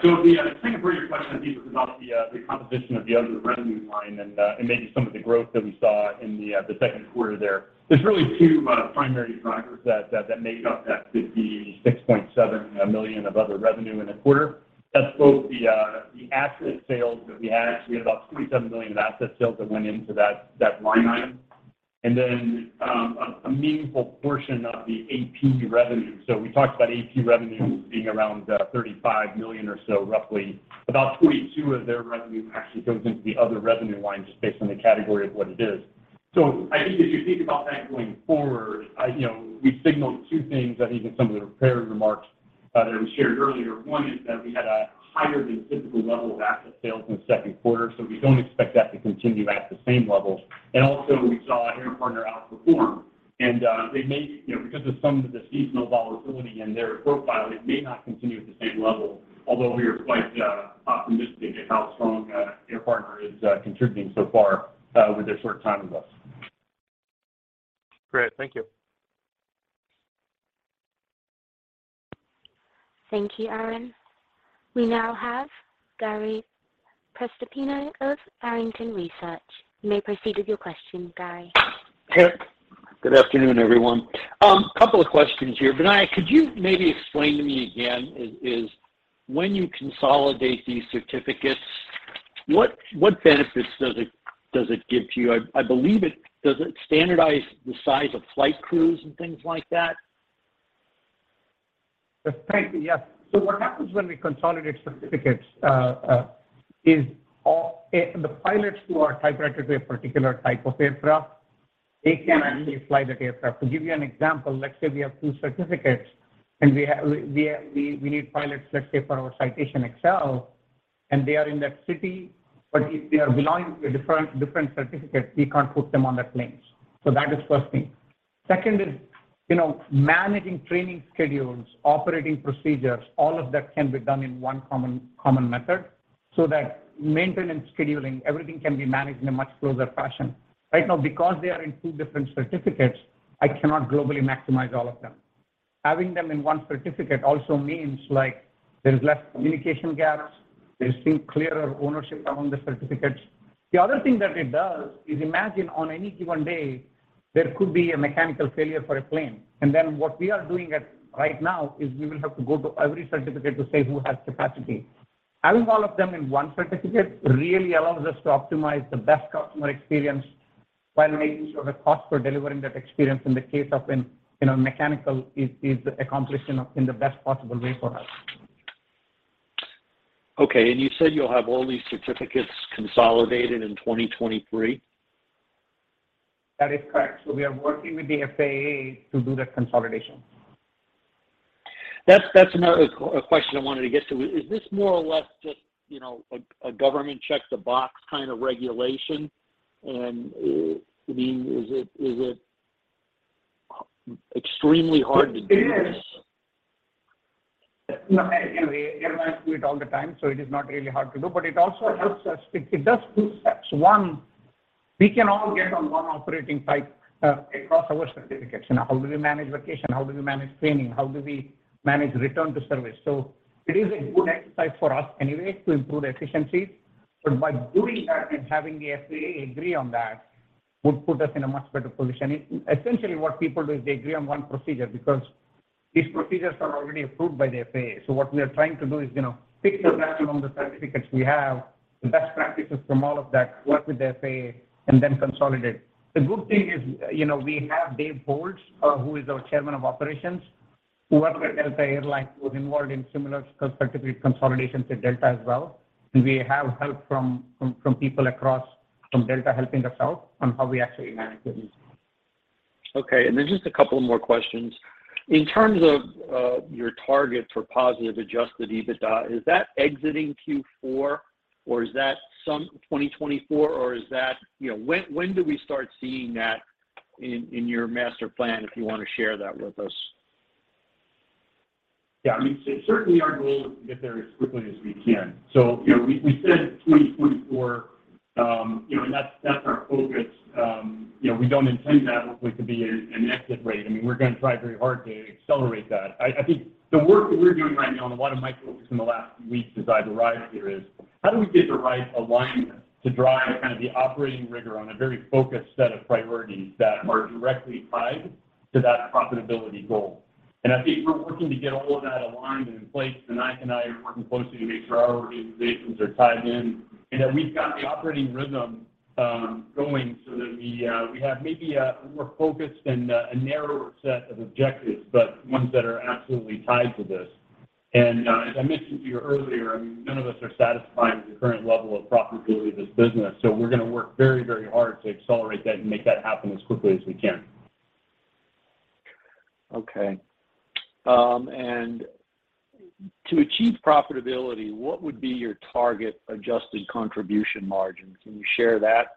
think for your question, Deepesh, is about the composition of the other revenue line and maybe some of the growth that we saw in the second quarter there. There's really two primary drivers that make up that $56.7 million of other revenue in the quarter. That's both the asset sales that we had. We had about $27 million of asset sales that went into that line item. A meaningful portion of the AP revenue. We talked about AP revenue being around $35 million or so roughly. About $22 million of their revenue actually goes into the other revenue line just based on the category of what it is. I think if you think about that going forward, you know, we signaled two things, I think, in some of the prepared remarks that we shared earlier. One is that we had a higher than typical level of asset sales in the second quarter, so we don't expect that to continue at the same level. We saw Air Partner outperform. They may, you know, because of some of the seasonal volatility in their profile, it may not continue at the same level, although we are quite optimistic about how strong Air Partner is contributing so far with their short time with us. Great. Thank you. Thank you, Aaron. We now have Gary Prestopino of Barrington Research. You may proceed with your question, Gary. Good afternoon, everyone. Couple of questions here. Vinayak, could you maybe explain to me again is when you consolidate these certificates, what benefits does it give to you? I believe it does standardize the size of flight crews and things like that? Yes. Thank you. Yes. What happens when we consolidate certificates is the pilots who are type-rated to a particular type of aircraft, they cannot easily fly that aircraft. To give you an example, let's say we have two certificates, and we need pilots, let's say, for our Citation Excel, and they are in that city, but if they are belonging to a different certificate, we can't put them on that planes. That is first thing. Second is, you know, managing training schedules, operating procedures, all of that can be done in one common method so that maintenance scheduling, everything can be managed in a much closer fashion. Right now, because they are in two different certificates, I cannot globally maximize all of them. Having them in one certificate also means, like, there is less communication gaps. There is still clearer ownership among the certificates. The other thing that it does is imagine on any given day, there could be a mechanical failure for a plane. Then what we are doing right now is we will have to go to every certificate to say who has capacity. Having all of them in one certificate really allows us to optimize the best customer experience while making sure the cost for delivering that experience in the case of a, you know, mechanical is accomplished in the best possible way for us. Okay. You said you'll have all these certificates consolidated in 2023? That is correct. We are working with the FAA to do that consolidation. That's another question I wanted to get to. Is this more or less just, you know, a government checks a box kind of regulation? I mean, is it extremely hard to do this? It is. No, airlines do it all the time, so it is not really hard to do. It also helps us. It does two steps. One, we can all get on one operating type across our certificates. You know, how do we manage vacation? How do we manage training? How do we manage return to service? It is a good exercise for us anyway to improve efficiencies. By doing that and having the FAA agree on that would put us in a much better position. Essentially, what people do is they agree on one procedure because these procedures are already approved by the FAA. What we are trying to do is, you know, pick the best among the certificates we have, the best practices from all of that, work with the FAA, and then consolidate. The good thing is, you know, we have Dave Holtz, who is our Chairman of Operations, who worked at Delta Air Lines, who was involved in similar certificate consolidation to Delta as well. We have help from people across from Delta helping us out on how we actually manage this. Okay. Just a couple more questions. In terms of your target for positive Adjusted EBITDA, is that exiting Q4, or is that sometime in 2024? You know, when do we start seeing that in your master plan, if you wanna share that with us? Yeah, I mean, it's certainly our goal to get there as quickly as we can. You know, we said 2024, you know, and that's our focus. You know, we don't intend that hopefully to be an exit rate. I mean, we're going to try very hard to accelerate that. I think the work that we're doing right now, and a lot of my focus in the last weeks as I've arrived here is, how do we get the right alignment to drive kind of the operating rigor on a very focused set of priorities that are directly tied to that profitability goal? I think we're working to get all of that aligned and in place. Vinayak Hegde and I are working closely to make sure our organizations are tied in and that we've got the operating rhythm going so that we have maybe a more focused and a narrower set of objectives, but ones that are absolutely tied to this. As I mentioned to you earlier, I mean, none of us are satisfied with the current level of profitability of this business, so we're going to work very, very hard to accelerate that and make that happen as quickly as we can. Okay. To achieve profitability, what would be your target Adjusted Contribution Margin? Can you share that?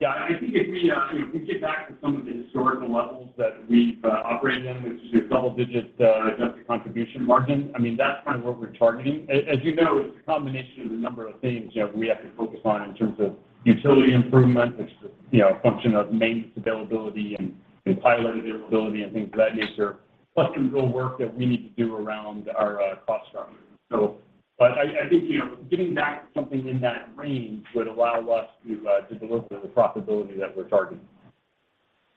Yeah. I think if we, you know, we get back to some of the historical levels that we've operated in, which is double-digit Adjusted Contribution Margin, I mean, that's kind of what we're targeting. As you know, it's a combination of a number of things, you know, we have to focus on in terms of utility improvement, which is, you know, a function of maintenance availability and pilot availability and things of that nature. Plus some real work that we need to do around our cost structure. I think, you know, getting back to something in that range would allow us to deliver the profitability that we're targeting.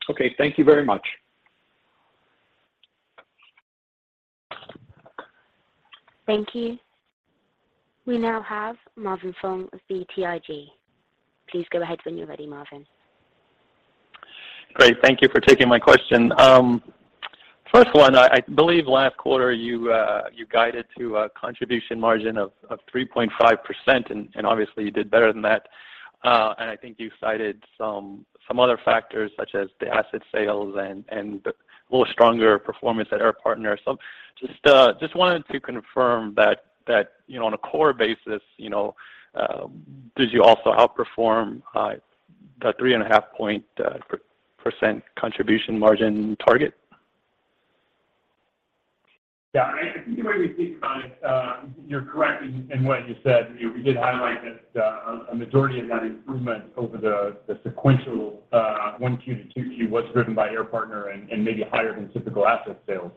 Okay. Thank you very much. Thank you. We now have Marvin Fong of BTIG. Please go ahead when you're ready, Marvin. Great. Thank you for taking my question. First one, I believe last quarter you guided to a contribution margin of 3.5% and obviously you did better than that. I think you cited some other factors such as the asset sales and a little stronger performance at Air Partner. Just wanted to confirm that, you know, on a core basis, you know, did you also outperform the 3.5% contribution margin target? Yeah. I think the way we think about it, you're correct in what you said. You know, we did highlight that a majority of that improvement over the sequential 1Q to 2Q was driven by Air Partner and maybe higher than typical asset sales.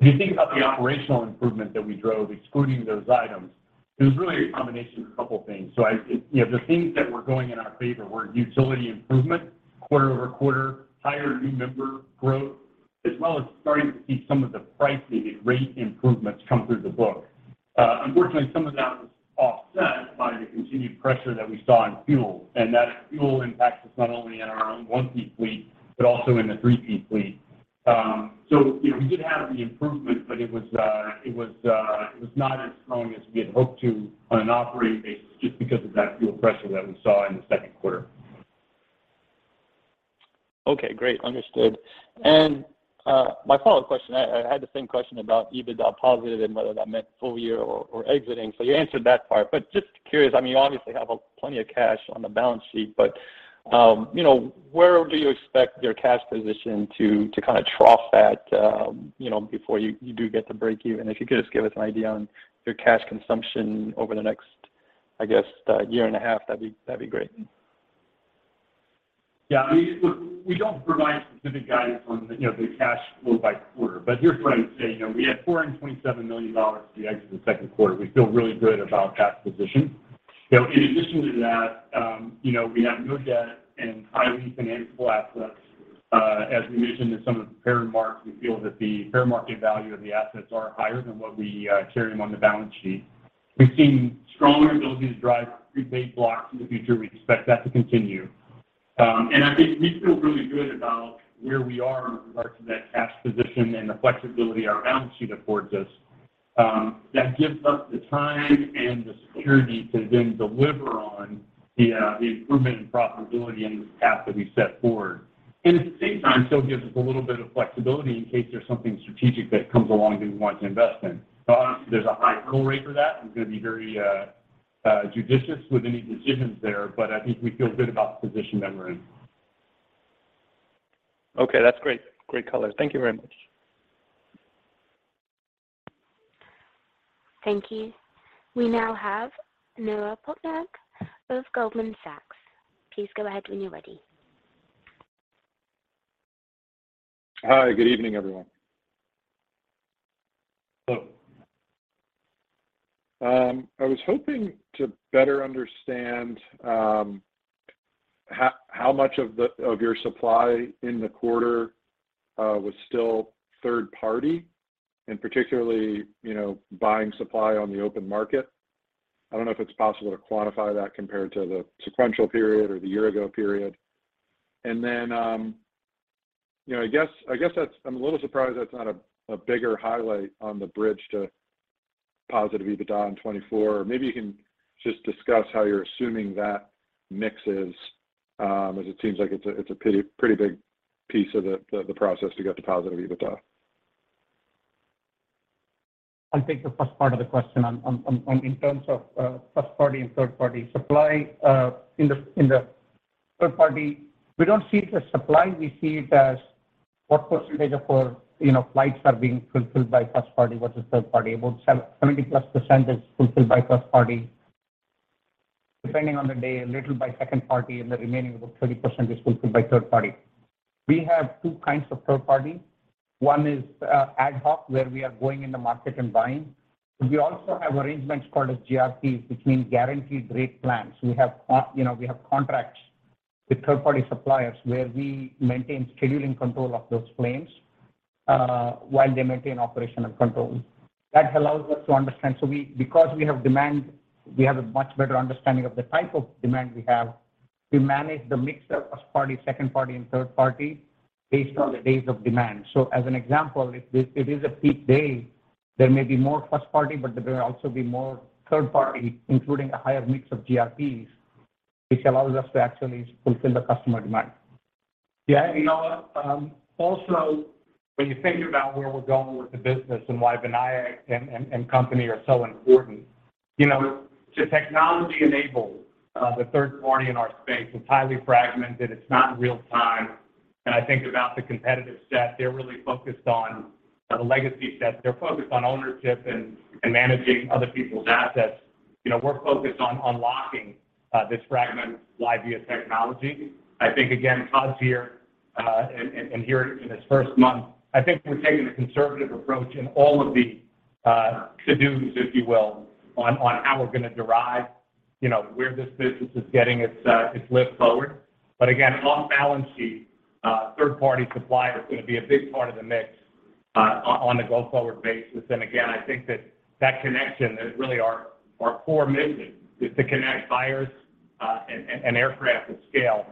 If you think about the operational improvement that we drove excluding those items, it was really a combination of a couple things. You know, the things that were going in our favor were utility improvement quarter-over-quarter, higher new member growth, as well as starting to see some of the pricing and rate improvements come through the book. Unfortunately, some of that was offset by the continued pressure that we saw in fuel, and that fuel impacts us not only in our own 1P fleet, but also in the 3P fleet. You know, we did have the improvement, but it was not as strong as we had hoped for on an operating basis just because of that fuel prices that we saw in the second quarter. Okay, great. Understood. My follow-up question, I had the same question about EBITDA positive and whether that meant full year or exiting. You answered that part. Just curious, I mean, you obviously have plenty of cash on the balance sheet, but you know, where do you expect your cash position to kind of trough at, you know, before you do get to breakeven? If you could just give us an idea on your cash consumption over the next, I guess, year and a half, that'd be great. Yeah. I mean, we don't provide specific guidance on, you know, the cash flow by quarter. Here's what I would say, you know. We had $427 million as we exit the second quarter. We feel really good about cash position. You know, in addition to that, you know, we have no debt and highly financiable assets. As we mentioned in some of the fair market, we feel that the fair market value of the assets are higher than what we carry them on the balance sheet. We've seen stronger ability to drive prepaid blocks in the future. We expect that to continue. I think we feel really good about where we are in regards to net cash position and the flexibility our balance sheet affords us. That gives us the time and the security to then deliver on the improvement in profitability and the path that we set forward. At the same time, still gives us a little bit of flexibility in case there's something strategic that comes along that we want to invest in. Obviously, there's a high hurdle rate for that. We're going to be very judicious with any decisions there, but I think we feel good about the position that we're in. Okay. That's great. Great color. Thank you very much. Thank you. We now have Noah Poponak of Goldman Sachs. Please go ahead when you're ready. Hi, good evening, everyone. Hello. I was hoping to better understand how much of your supply in the quarter was still third-party, and particularly, you know, buying supply on the open market. I don't know if it's possible to quantify that compared to the sequential period or the year-ago period. I guess that's. I'm a little surprised that's not a bigger highlight on the bridge to positive EBITDA in 2024. Maybe you can just discuss how you're assuming that mix is, as it seems like it's a pretty big piece of the process to get to positive EBITDA. I'll take the first part of the question in terms of first-party and third-party supply. In the third-party, we don't see it as supply. We see it as what percentage of our, you know, flights are being fulfilled by first-party versus third-party. About 70%+ is fulfilled by first-party, depending on the day, a little by second-party, and the remaining, about 30%, is fulfilled by third-party. We have two kinds of third-party. One is ad hoc, where we are going in the market and buying. We also have arrangements called GRPs, which means guaranteed rate plans. We have, you know, contracts with third-party suppliers where we maintain scheduling control of those planes while they maintain operational control. That allows us to understand. Because we have demand, we have a much better understanding of the type of demand we have, we manage the mix of first-party, second-party, and third-party based on the days of demand. As an example, if it is a peak day, there may be more first-party, but there will also be more third-party, including a higher mix of GRPs, which allows us to actually fulfill the customer demand. Yeah. You know, also when you think about where we're going with the business and why Vinayak and company are so important, you know, the technology enables the third-party in our space. It's highly fragmented. It's not real-time. I think about the competitive set, they're really focused on the legacy set. They're focused on ownership and managing other people's assets. You know, we're focused on unlocking this fragmented supply technology. I think, again, Todd's here, and here in his first month, I think we're taking a conservative approach in all of the to-dos, if you will, on how we're going to derive, you know, where this business is getting its lift forward. But again, off-balance sheet, third-party supply is going to be a big part of the mix on a go-forward basis. I think that connection is really our core mission is to connect buyers and aircraft at scale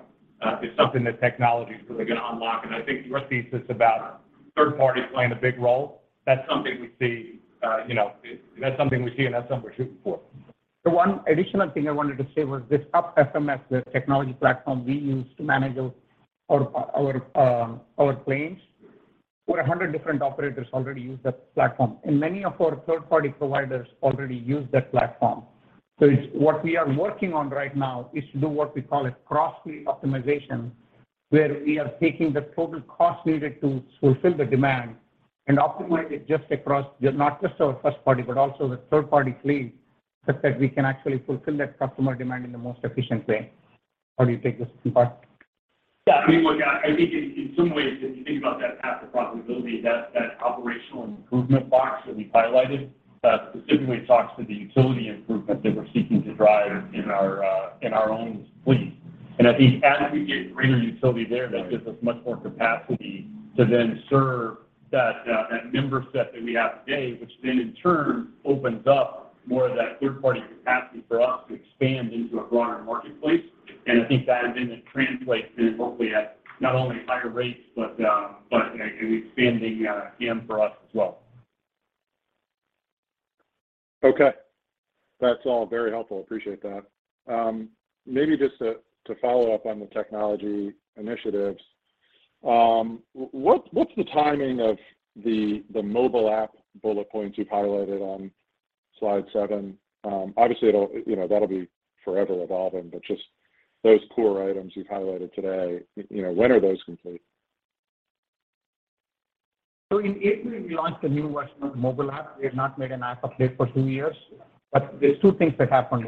is something that technology is really going to unlock. I think your thesis about third-party playing a big role, that's something we see, you know. That's something we're shooting for. The one additional thing I wanted to say was this UP FMS, the technology platform we use to manage our planes. Over 100 different operators already use that platform, and many of our third-party providers already use that platform. What we are working on right now is to do what we call a cross-fleet optimization, where we are taking the total cost needed to fulfill the demand and optimize it just across, not just our first-party, but also the third-party fleet, such that we can actually fulfill that customer demand in the most efficient way. Why don't you take this, [Todd]? Yeah. I mean, look, I think in some ways, if you think about that path to profitability, that operational improvement box that we highlighted specifically talks to the utility improvement that we're seeking to drive in our own fleet. I think as we get greater utility there, that gives us much more capacity to then serve that member set that we have today, which then in turn opens up more of that third-party capacity for us to expand into a broader marketplace. I think that then translates into hopefully not only higher rates, but an expanding PM for us as well. Okay. That's all very helpful. Appreciate that. Maybe just to follow up on the technology initiatives. What's the timing of the mobile app bullet points you've highlighted on slide 7? Obviously, it'll, you know, that'll be forever evolving, but just those core items you've highlighted today, you know, when are those complete? In April, we launched a new version of mobile app. We have not made an app update for two years. There's two things that happened.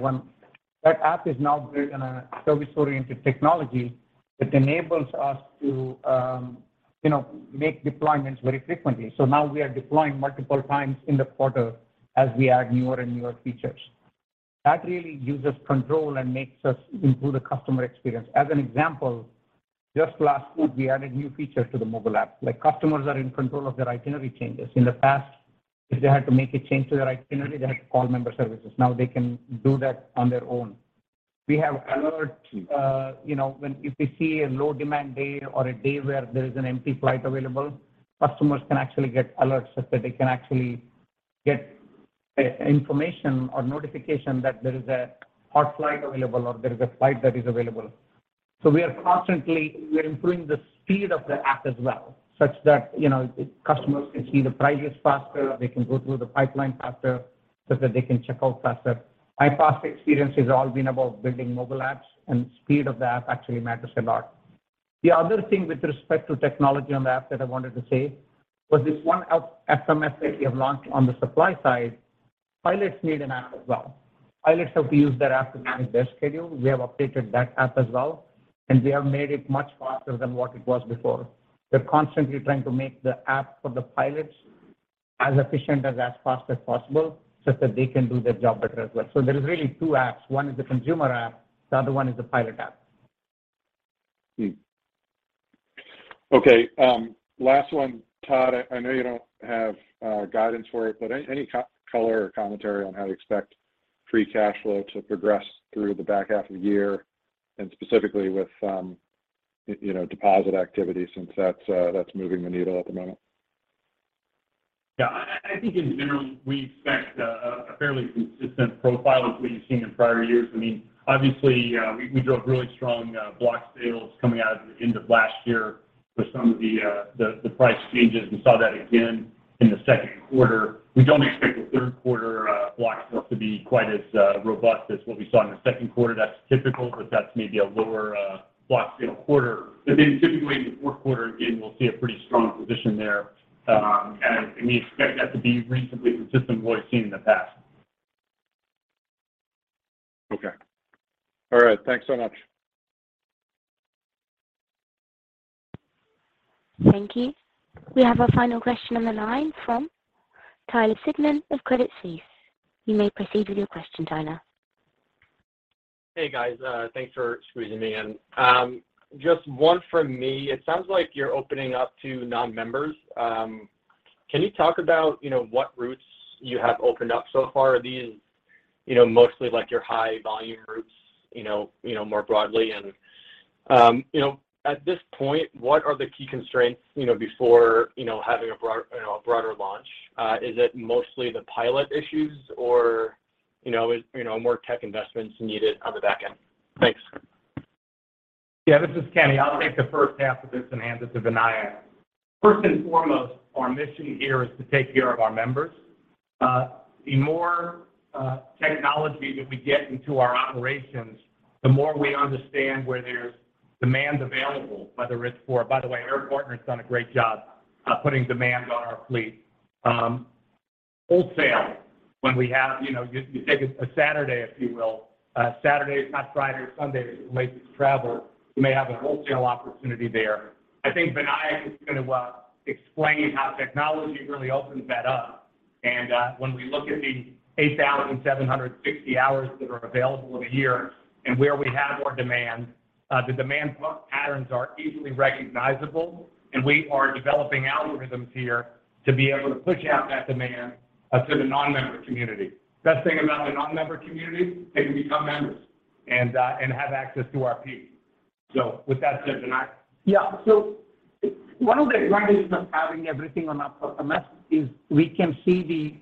One, that app is now built in a service-oriented technology that enables us to, you know, make deployments very frequently. Now we are deploying multiple times in the quarter as we add newer and newer features. That really gives us control and makes us improve the customer experience. As an example, just last week, we added new features to the mobile app. Like, customers are in control of their itinerary changes. In the past, if they had to make a change to their itinerary, they had to call member services. Now they can do that on their own. We have alerts, you know, when, if we see a low-demand day or a day where there is an empty flight available, customers can actually get alerts such that they can actually get information or notification that there is a hot flight available or there is a flight that is available. We are improving the speed of the app as well, such that, you know, customers can see the prices faster, they can go through the pipeline faster, such that they can check out faster. My past experience has all been about building mobile apps, and speed of the app actually matters a lot. The other thing with respect to technology on the app that I wanted to say was this one UP FMS that we have launched on the supply side. Pilots need an app as well. Pilots have to use their app to manage their schedule. We have updated that app as well, and we have made it much faster than what it was before. We're constantly trying to make the app for the pilots as efficient and as fast as possible such that they can do their job better as well. There is really two apps. One is the consumer app, the other one is the pilot app. Okay. Last one, Todd. I know you don't have guidance for it, but any color or commentary on how to expect free cash flow to progress through the back half of the year and specifically with you know, deposit activity since that's moving the needle at the moment? Yeah. I think in general, we expect a fairly consistent profile as we've seen in prior years. I mean, obviously, we drove really strong block sales coming out of the end of last year with some of the price changes. We saw that again in the second quarter. We don't expect the third quarter block sales to be quite as robust as what we saw in the second quarter. That's typical, but that's maybe a lower block sale quarter. Typically in the fourth quarter, again, we'll see a pretty strong position there. We expect that to be reasonably consistent with what we've seen in the past. Okay. All right. Thanks so much. Thank you. We have our final question on the line from Tyler Seidman of Credit Suisse. You may proceed with your question, Tyler. Hey, guys. Thanks for squeezing me in. Just one from me. It sounds like you're opening up to non-members. Can you talk about, you know, what routes you have opened up so far? Are these, you know, mostly like your high volume routes, you know, more broadly? You know, at this point, what are the key constraints, you know, before, you know, having you know, a broader launch? Is it mostly the pilot issues or, you know, more tech investments needed on the back end? Thanks. Yeah. This is Kenny. I'll take the first half of this and hand it to Vinayak. First and foremost, our mission here is to take care of our members. The more technology that we get into our operations, the more we understand where there's demand available, whether it's for. By the way, our partner's done a great job putting demand on our fleet. Wholesale, when we have, you know, you take a Saturday, if you will. It's not Friday or Sunday, late travel, you may have a wholesale opportunity there. I think Vinayak is going to explain how technology really opens that up. When we look at the 8,760 hours that are available in a year and where we have more demand, the demand patterns are easily recognizable, and we are developing algorithms here to be able to push out that demand to the non-member community. Best thing about a non-member community, they can become members and have access to our peak. With that said, Vinayak. Yeah. One of the advantages of having everything on a message is we can see the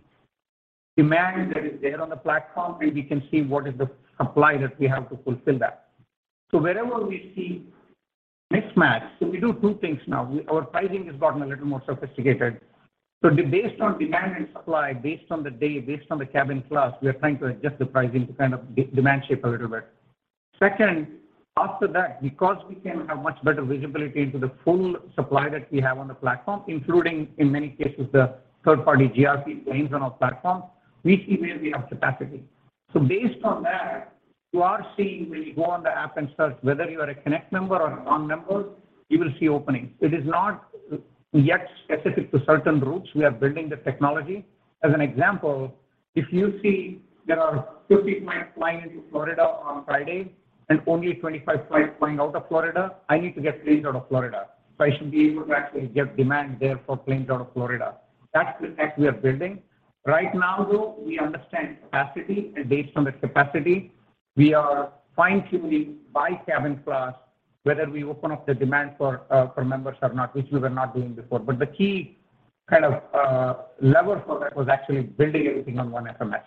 demand that is there on the platform, and we can see what is the supply that we have to fulfill that. Wherever we see mismatch, we do two things now. Our pricing has gotten a little more sophisticated. Based on demand and supply, based on the day, based on the cabin class, we are trying to adjust the pricing to kind of get demand shape a little bit. Second, after that, because we can have much better visibility into the full supply that we have on the platform, including, in many cases, the third-party GRP planes on our platform, we see where we have capacity. Based on that, you are seeing when you go on the app and search whether you are a Connect member or a non-member, you will see openings. It is not yet specific to certain routes. We are building the technology. As an example, if you see there are 50 flights flying into Florida on Friday and only 25 flights flying out of Florida, I need to get planes out of Florida, so I should be able to actually get demand there for planes out of Florida. That's the tech we are building. Right now, though, we understand capacity, and based on the capacity, we are fine-tuning by cabin class whether we open up the demand for members or not, which we were not doing before. The key kind of lever for that was actually building everything on UP FMS.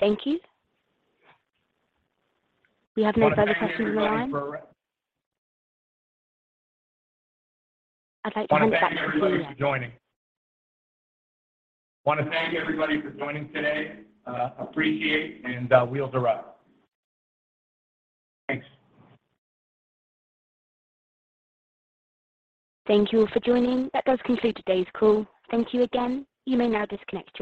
Thank you. We have no further questions on the line. I'd like to hand back to Kenny. Want to thank everybody for joining today. Appreciate and Wheels Up. Thanks. Thank you all for joining. That does conclude today's call. Thank you again. You may now disconnect your lines.